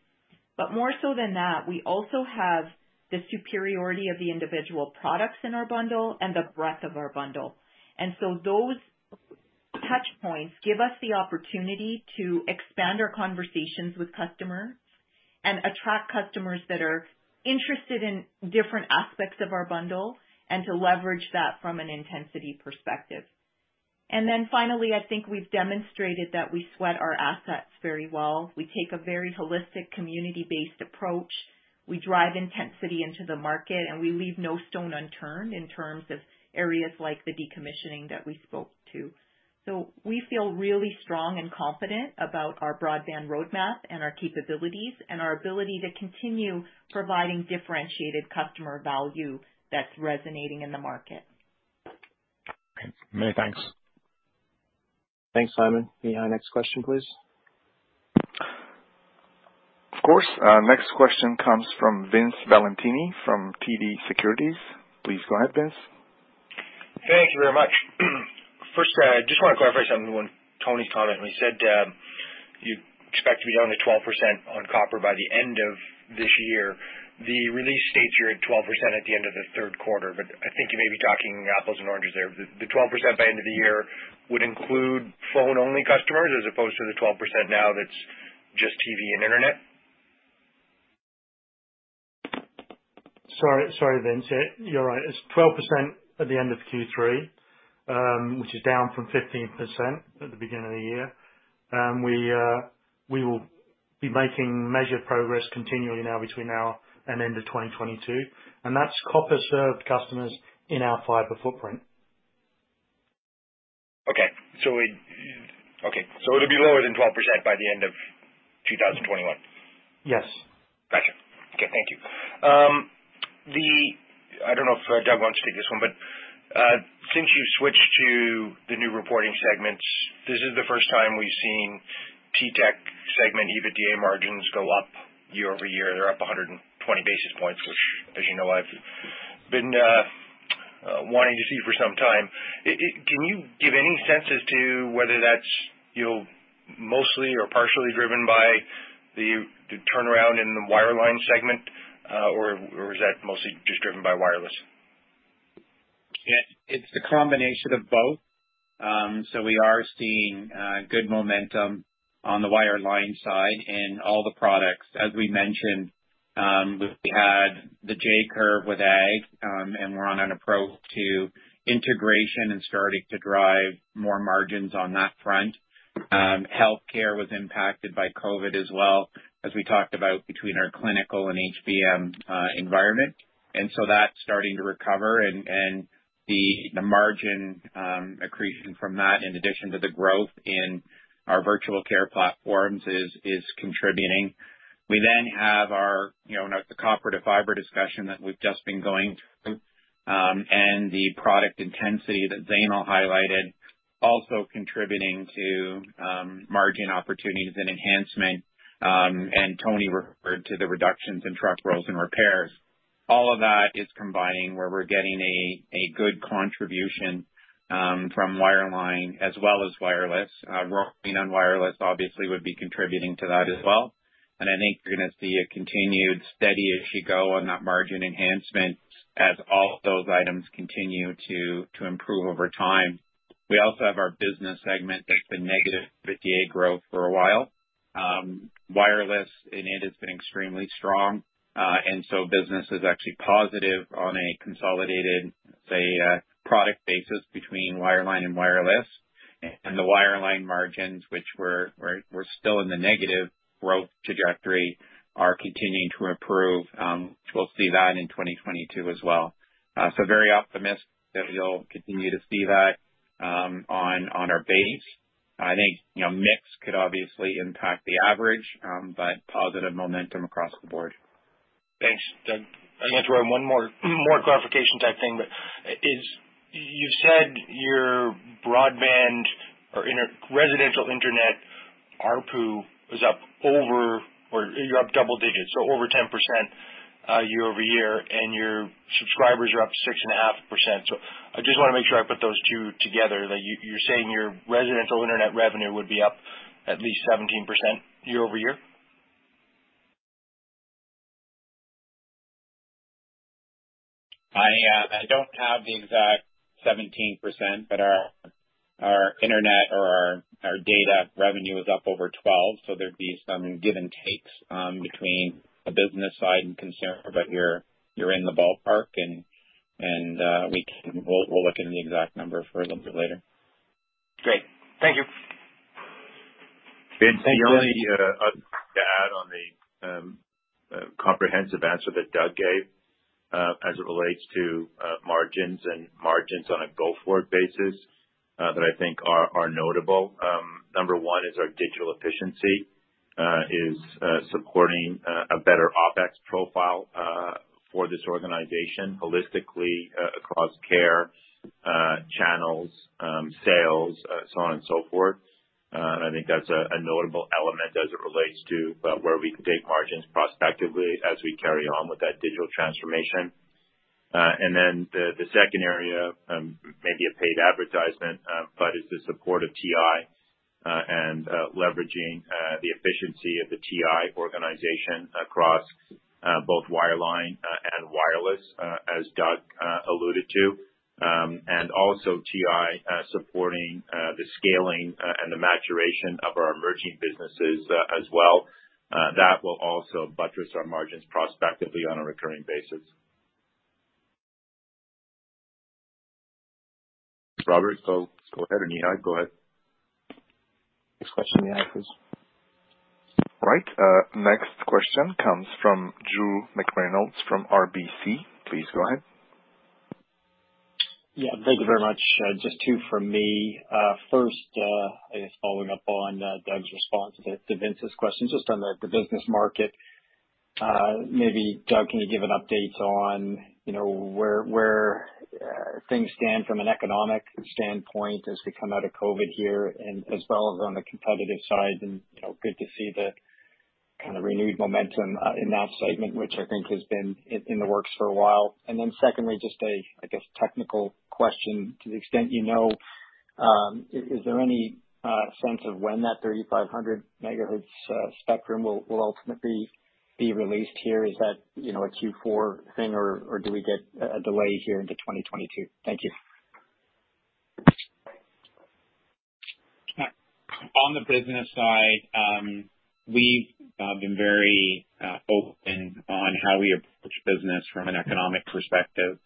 S10: More so than that, we also have the superiority of the individual products in our bundle and the breadth of our bundle. Those touchpoints give us the opportunity to expand our conversations with customers and attract customers that are interested in different aspects of our bundle and to leverage that from an intensity perspective. Finally, I think we've demonstrated that we sweat our assets very well. We take a very holistic, community-based approach. We drive intensity into the market, and we leave no stone unturned in terms of areas like the decommissioning that we spoke to. We feel really strong and confident about our broadband roadmap and our capabilities, and our ability to continue providing differentiated customer value that's resonating in the market.
S11: Okay. Many thanks.
S2: Thanks, Simon. May I take the next question, please?
S1: Of course. Next question comes from Vince Valentini from TD Securities. Please go ahead, Vince.
S12: Thank you very much. First, I just wanna clarify something on Tony's comment when he said, you expect to be down to 12% on copper by the end of this year. The release states you're at 12% at the end of the Q3, but I think you may be talking apples and oranges there. The 12% by end of the year would include phone-only customers as opposed to the 12% now that's just TV and internet?
S9: Sorry, Vince. Yeah, you're right. It's 12% at the end of Q3, which is down from 15% at the beginning of the year. We will be making measured progress continually now between now and end of 2022, and that's copper-served customers in our fiber footprint.
S12: Okay. It'll be lower than 12% by the end of 2021?
S9: Yes.
S12: Gotcha. Okay. Thank you. I don't know if Doug wants to take this one, but since you've switched to the new reporting segments, this is the first time we've seen TTech segment EBITDA margins go up year-over-year. They're up 100 basis points, which as you know, I've been wanting to see for some time. Can you give any sense as to whether that's, you know, mostly or partially driven by the turnaround in the wireline segment, or is that mostly just driven by wireless?
S6: Yeah. It's the combination of both. We are seeing good momentum on the wireline side in all the products. As we mentioned, we've had the J curve with Ag, and we're on an approach to integration and starting to drive more margins on that front. Healthcare was impacted by COVID as well, as we talked about between our clinical and EHM environment. That's starting to recover and the margin accretion from that in addition to the growth in our virtual care platforms is contributing. We have our, you know, the copper to fiber discussion that we've just been going through, and the product intensity that Zainul highlighted also contributing to margin opportunities and enhancement, and Tony referred to the reductions in truck rolls and repairs. All of that is combining where we're getting a good contribution from wireline as well as wireless. Growing on wireless obviously would be contributing to that as well. I think you're gonna see a continued steady as you go on that margin enhancement as all of those items continue to improve over time. We also have our business segment that's been negative EBITDA growth for a while. Wireless in it has been extremely strong, and business is actually positive on a consolidated, say, a product basis between wireline and wireless. The wireline margins, which were still in the negative growth trajectory, are continuing to improve. We'll see that in 2022 as well. Very optimistic that we'll continue to see that on our base. I think, you know, mix could obviously impact the average, but positive momentum across the board.
S12: Thanks, Doug. I guess one more clarification type thing. You said your broadband or residential internet ARPU was up double-digits, so over 10%. Year-over-year, and your subscribers are up 6.5%. I just wanna make sure I put those two together, that you're saying your residential internet revenue would be up at least 17% year-over-year?
S6: I don't have the exact 17%, but our internet or our data revenue is up over 12%, so there'd be some give and takes between the business side and consumer, but you're in the ballpark, and we'll look into the exact number a little bit later.
S12: Great. Thank you.
S3: Vince, the only to add on the comprehensive answer that Doug gave, as it relates to margins on a go-forward basis, that I think are notable. Number one is our digital efficiency is supporting a better OPEX profile for this organization holistically across care channels, sales, so on and so forth. I think that's a notable element as it relates to where we can take margins prospectively as we carry on with that digital transformation. The second area may be a paid advertisement, but is the support of TI and leveraging the efficiency of the TI organization across both wireline and wireless, as Doug alluded to. TI supporting the scaling and the maturation of our emerging businesses as well. That will also buttress our margins prospectively on a recurring basis.
S1: Robert, go ahead. Mihai, go ahead.
S12: Next question, yeah, please.
S1: All right. Next question comes from Drew McReynolds from RBC. Please go ahead.
S13: Yeah, thank you very much. Just two from me. First, I guess following up on Doug's response to Vince's question, just on the business market. Maybe Doug, can you give an update on, you know, where things stand from an economic standpoint as we come out of COVID here, and as well as on the competitive side? You know, good to see the kind of renewed momentum in that statement, which I think has been in the works for a while. Then secondly, just a technical question. To the extent you know, is there any sense of when that 3500 MHz spectrum will ultimately be released here? Is that, you know, a Q4 thing, or do we get a delay here into 2022? Thank you.
S6: On the business side, we've been very open on how we approach business from an economic perspective.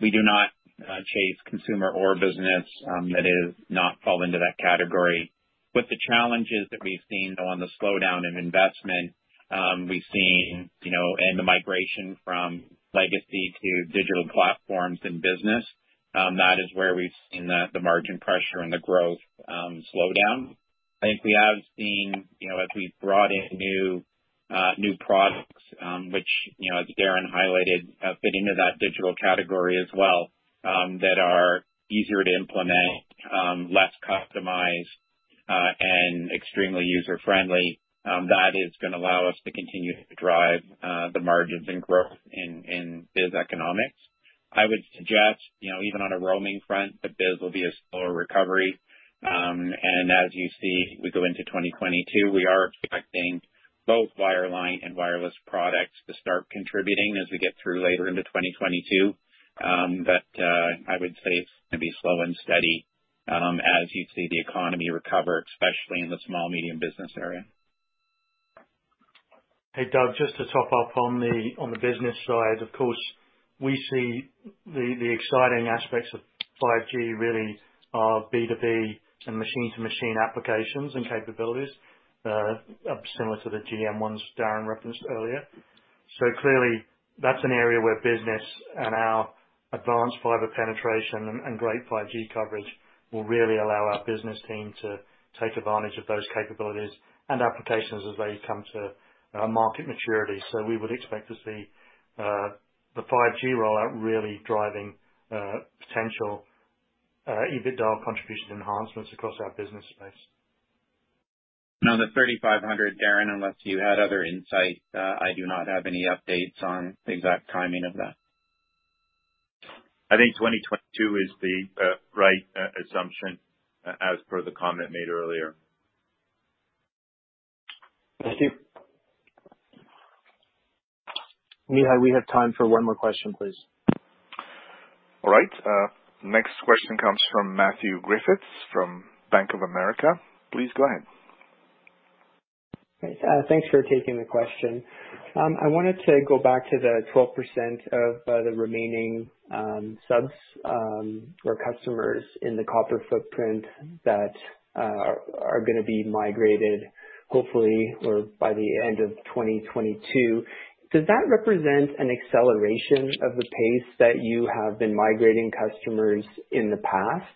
S6: We do not chase consumer or business that is not fall into that category. With the challenges that we've seen on the slowdown in investment, we've seen, you know, and the migration from legacy to digital platforms in business, that is where we've seen the margin pressure and the growth slowdown. I think we have seen, you know, as we've brought in new products, which, you know, as Darren highlighted, fit into that digital category as well, that are easier to implement, less customized and extremely user-friendly, that is gonna allow us to continue to drive the margins and growth in biz economics. I would suggest, you know, even on a roaming front, the biz will be a slower recovery. As you see, we go into 2022, we are expecting both wireline and wireless products to start contributing as we get through later into 2022. I would say it's gonna be slow and steady, as you see the economy recover, especially in the small medium business area.
S3: Hey, Doug, just to top-up on the business side. Of course, we see the exciting aspects of 5G really are B2B and machine-to-machine applications and capabilities, similar to the GM ones Darren referenced earlier. Clearly that's an area where business and our advanced fiber penetration and great 5G coverage will really allow our business team to take advantage of those capabilities and applications as they come to market maturity. We would expect to see the 5G rollout really driving potential EBITDA contribution enhancements across our business space.
S6: On the 3500, Darren, unless you had other insight, I do not have any updates on the exact timing of that. I think 2022 is the right assumption as per the comment made earlier.
S13: Thank you.
S1: Mihai, we have time for one more question, please. All right. Next question comes from Matthew Griffiths from Bank of America. Please go ahead.
S14: Great. Thanks for taking the question. I wanted to go back to the 12% of the remaining subs or customers in the copper footprint that are gonna be migrated hopefully or by the end of 2022. Does that represent an acceleration of the pace that you have been migrating customers in the past?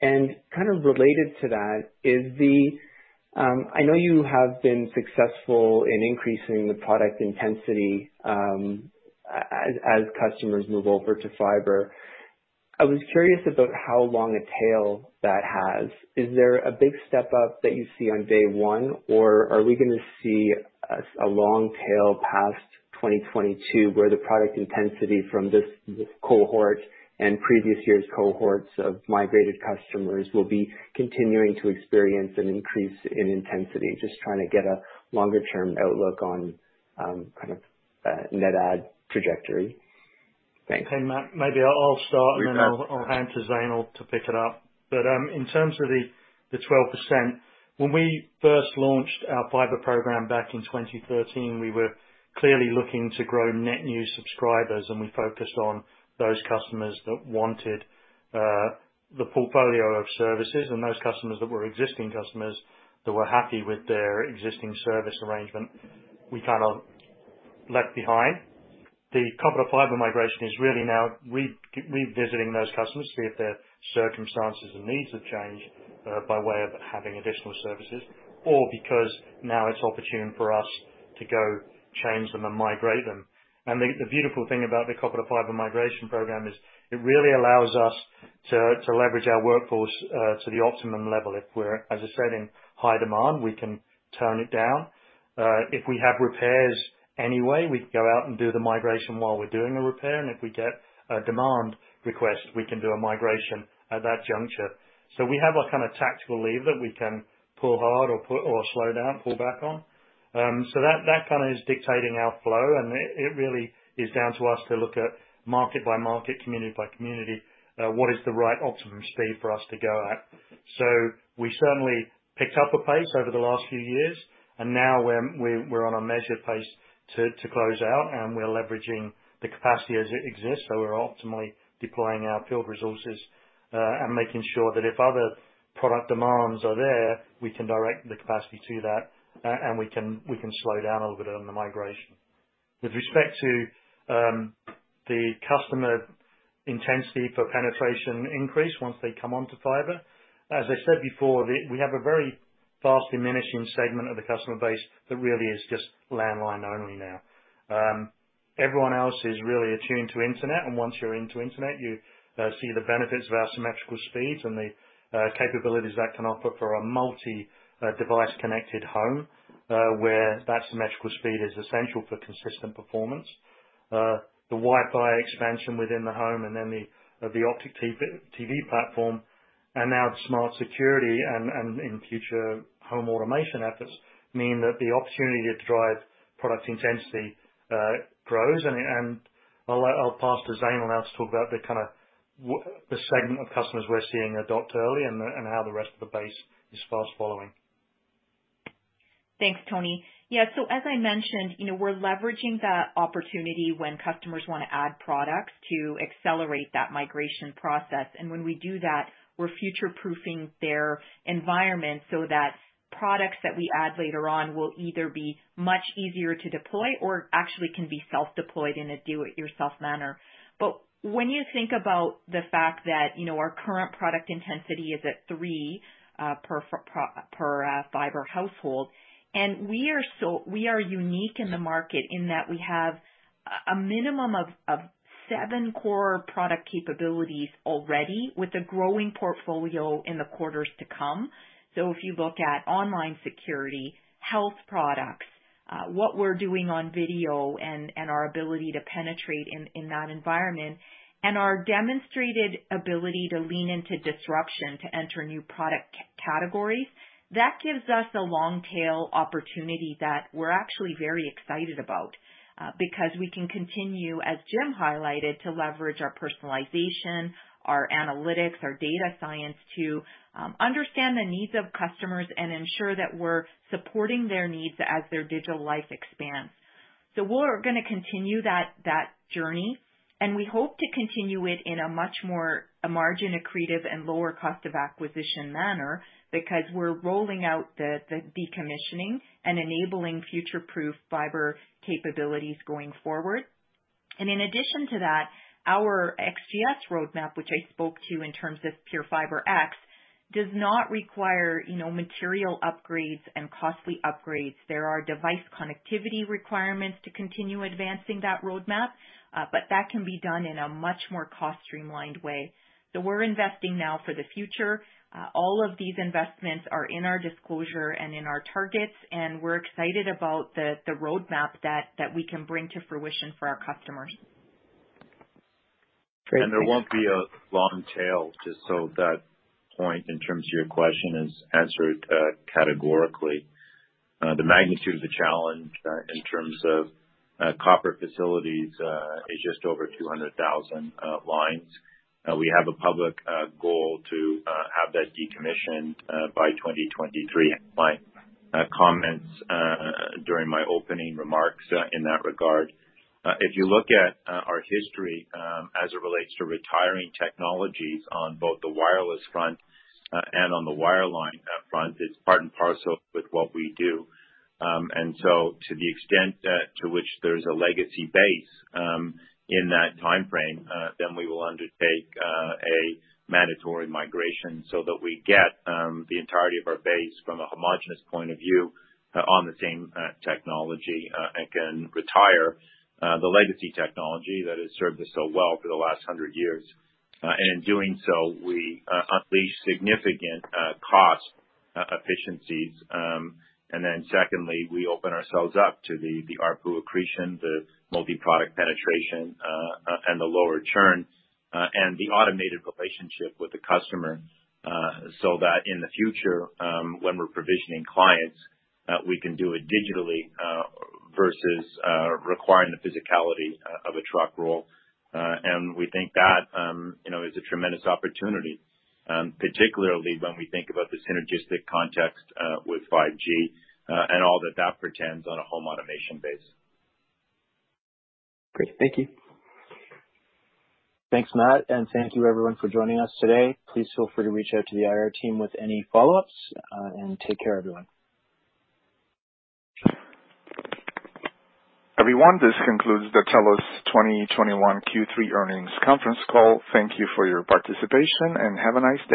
S14: Kind of related to that, I know you have been successful in increasing the product intensity as customers move over to fiber. I was curious about how long a tail that has. Is there a big step up that you see on day one, or are we gonna see a long tail past 2022 where the product intensity from this cohort and previous years' cohorts of migrated customers will be continuing to experience an increase in intensity? Just trying to get a longer term outlook on, kind of, net add trajectory. Thanks.
S9: Okay, Matt, maybe I'll start, and then I'll hand to Zainul to pick it up. In terms of the 12%, when we first launched our fiber program back in 2013, we were clearly looking to grow net new subscribers, and we focused on those customers that wanted the portfolio of services and those customers that were existing customers that were happy with their existing service arrangement, we kind of left behind. The copper to fiber migration is really now revisiting those customers to see if their circumstances and needs have changed by way of having additional services, or because now it's opportune for us to go change them and migrate them. The beautiful thing about the copper to fiber migration program is it really allows us to leverage our workforce to the optimum level. If we're, as I said, in high demand, we can tone it down. If we have repairs anyway, we can go out and do the migration while we're doing a repair. If we get a demand request, we can do a migration at that juncture. We have a kind of tactical lever we can pull hard or put or slow down, pull back on. That kind of is dictating our flow. It really is down to us to look at market by market, community by community, what is the right optimum speed for us to go at. We certainly picked up a pace over the last few years, and now we're on a measured pace to close out, and we're leveraging the capacity as it exists, so we're optimally deploying our field resources, and making sure that if other product demands are there, we can direct the capacity to that, and we can slow down a little bit on the migration. With respect to the customer intensity for penetration increase once they come onto fiber, as I said before, we have a very fast diminishing segment of the customer base that really is just landline only now. Everyone else is really attuned to internet, and once you're into internet, you see the benefits of our symmetrical speeds and the capabilities that can offer for a multi device connected home, where that symmetrical speed is essential for consistent performance. The Wi-Fi expansion within the home and then the Optik TV platform and now smart security and in future, home automation efforts mean that the opportunity to drive product intensity grows. I'll pass to Zainul now to talk about the kind of segment of customers we're seeing adopt early and how the rest of the base is fast following.
S10: Thanks, Tony. Yeah. As I mentioned, you know, we're leveraging that opportunity when customers wanna add products to accelerate that migration process. When we do that, we're future-proofing their environment so that products that we add later on will either be much easier to deploy or actually can be self-deployed in a do-it-yourself manner. When you think about the fact that, you know, our current product intensity is at three per fiber household, and we are unique in the market in that we have a minimum of seven core product capabilities already with a growing portfolio in the quarters to come. If you look at online security, health products, what we're doing on video and our ability to penetrate in that environment, and our demonstrated ability to lean into disruption to enter new product categories, that gives us a long tail opportunity that we're actually very excited about, because we can continue, as Jim highlighted, to leverage our personalization, our analytics, our data science to understand the needs of customers and ensure that we're supporting their needs as their digital life expands. We're gonna continue that journey, and we hope to continue it in a much more margin-accretive and lower cost of acquisition manner because we're rolling out the decommissioning and enabling future-proof fiber capabilities going forward. In addition to that, our XGS roadmap, which I spoke to in terms of PureFibre X, does not require material upgrades and costly upgrades. There are device connectivity requirements to continue advancing that roadmap, but that can be done in a much more cost streamlined way. We're investing now for the future. All of these investments are in our disclosure and in our targets, and we're excited about the roadmap that we can bring to fruition for our customers.
S14: Great. Thank you.
S9: There won't be a long tail. Just so that point in terms of your question is answered, categorically. The magnitude of the challenge, in terms of copper facilities, is just over 200,000 lines. We have a public goal to have that decommissioned by 2023. My comments during my opening remarks in that regard. If you look at our history as it relates to retiring technologies on both the wireless front and on the wireline front, it's part and parcel with what we do. To the extent to which there's a legacy base in that timeframe, then we will undertake a mandatory migration so that we get the entirety of our base from a homogeneous point of view on the same technology and can retire the legacy technology that has served us so well for the last 100 years. In doing so, we unleash significant cost efficiencies. Secondly, we open ourselves up to the ARPU accretion, the multi-product penetration and the lower churn and the automated relationship with the customer, so that in the future, when we're provisioning clients, we can do it digitally versus requiring the physicality of a truck roll. We think that, you know, is a tremendous opportunity, particularly when we think about the synergistic context with 5G and all that that portends on a home automation base.
S14: Great. Thank you.
S2: Thanks, Matt, and thank you everyone for joining us today. Please feel free to reach out to the IR team with any follow-ups, and take care everyone.
S1: Everyone, this concludes the TELUS 2021 Q3 earnings Conference Call. Thank you for your participation, and have a nice day.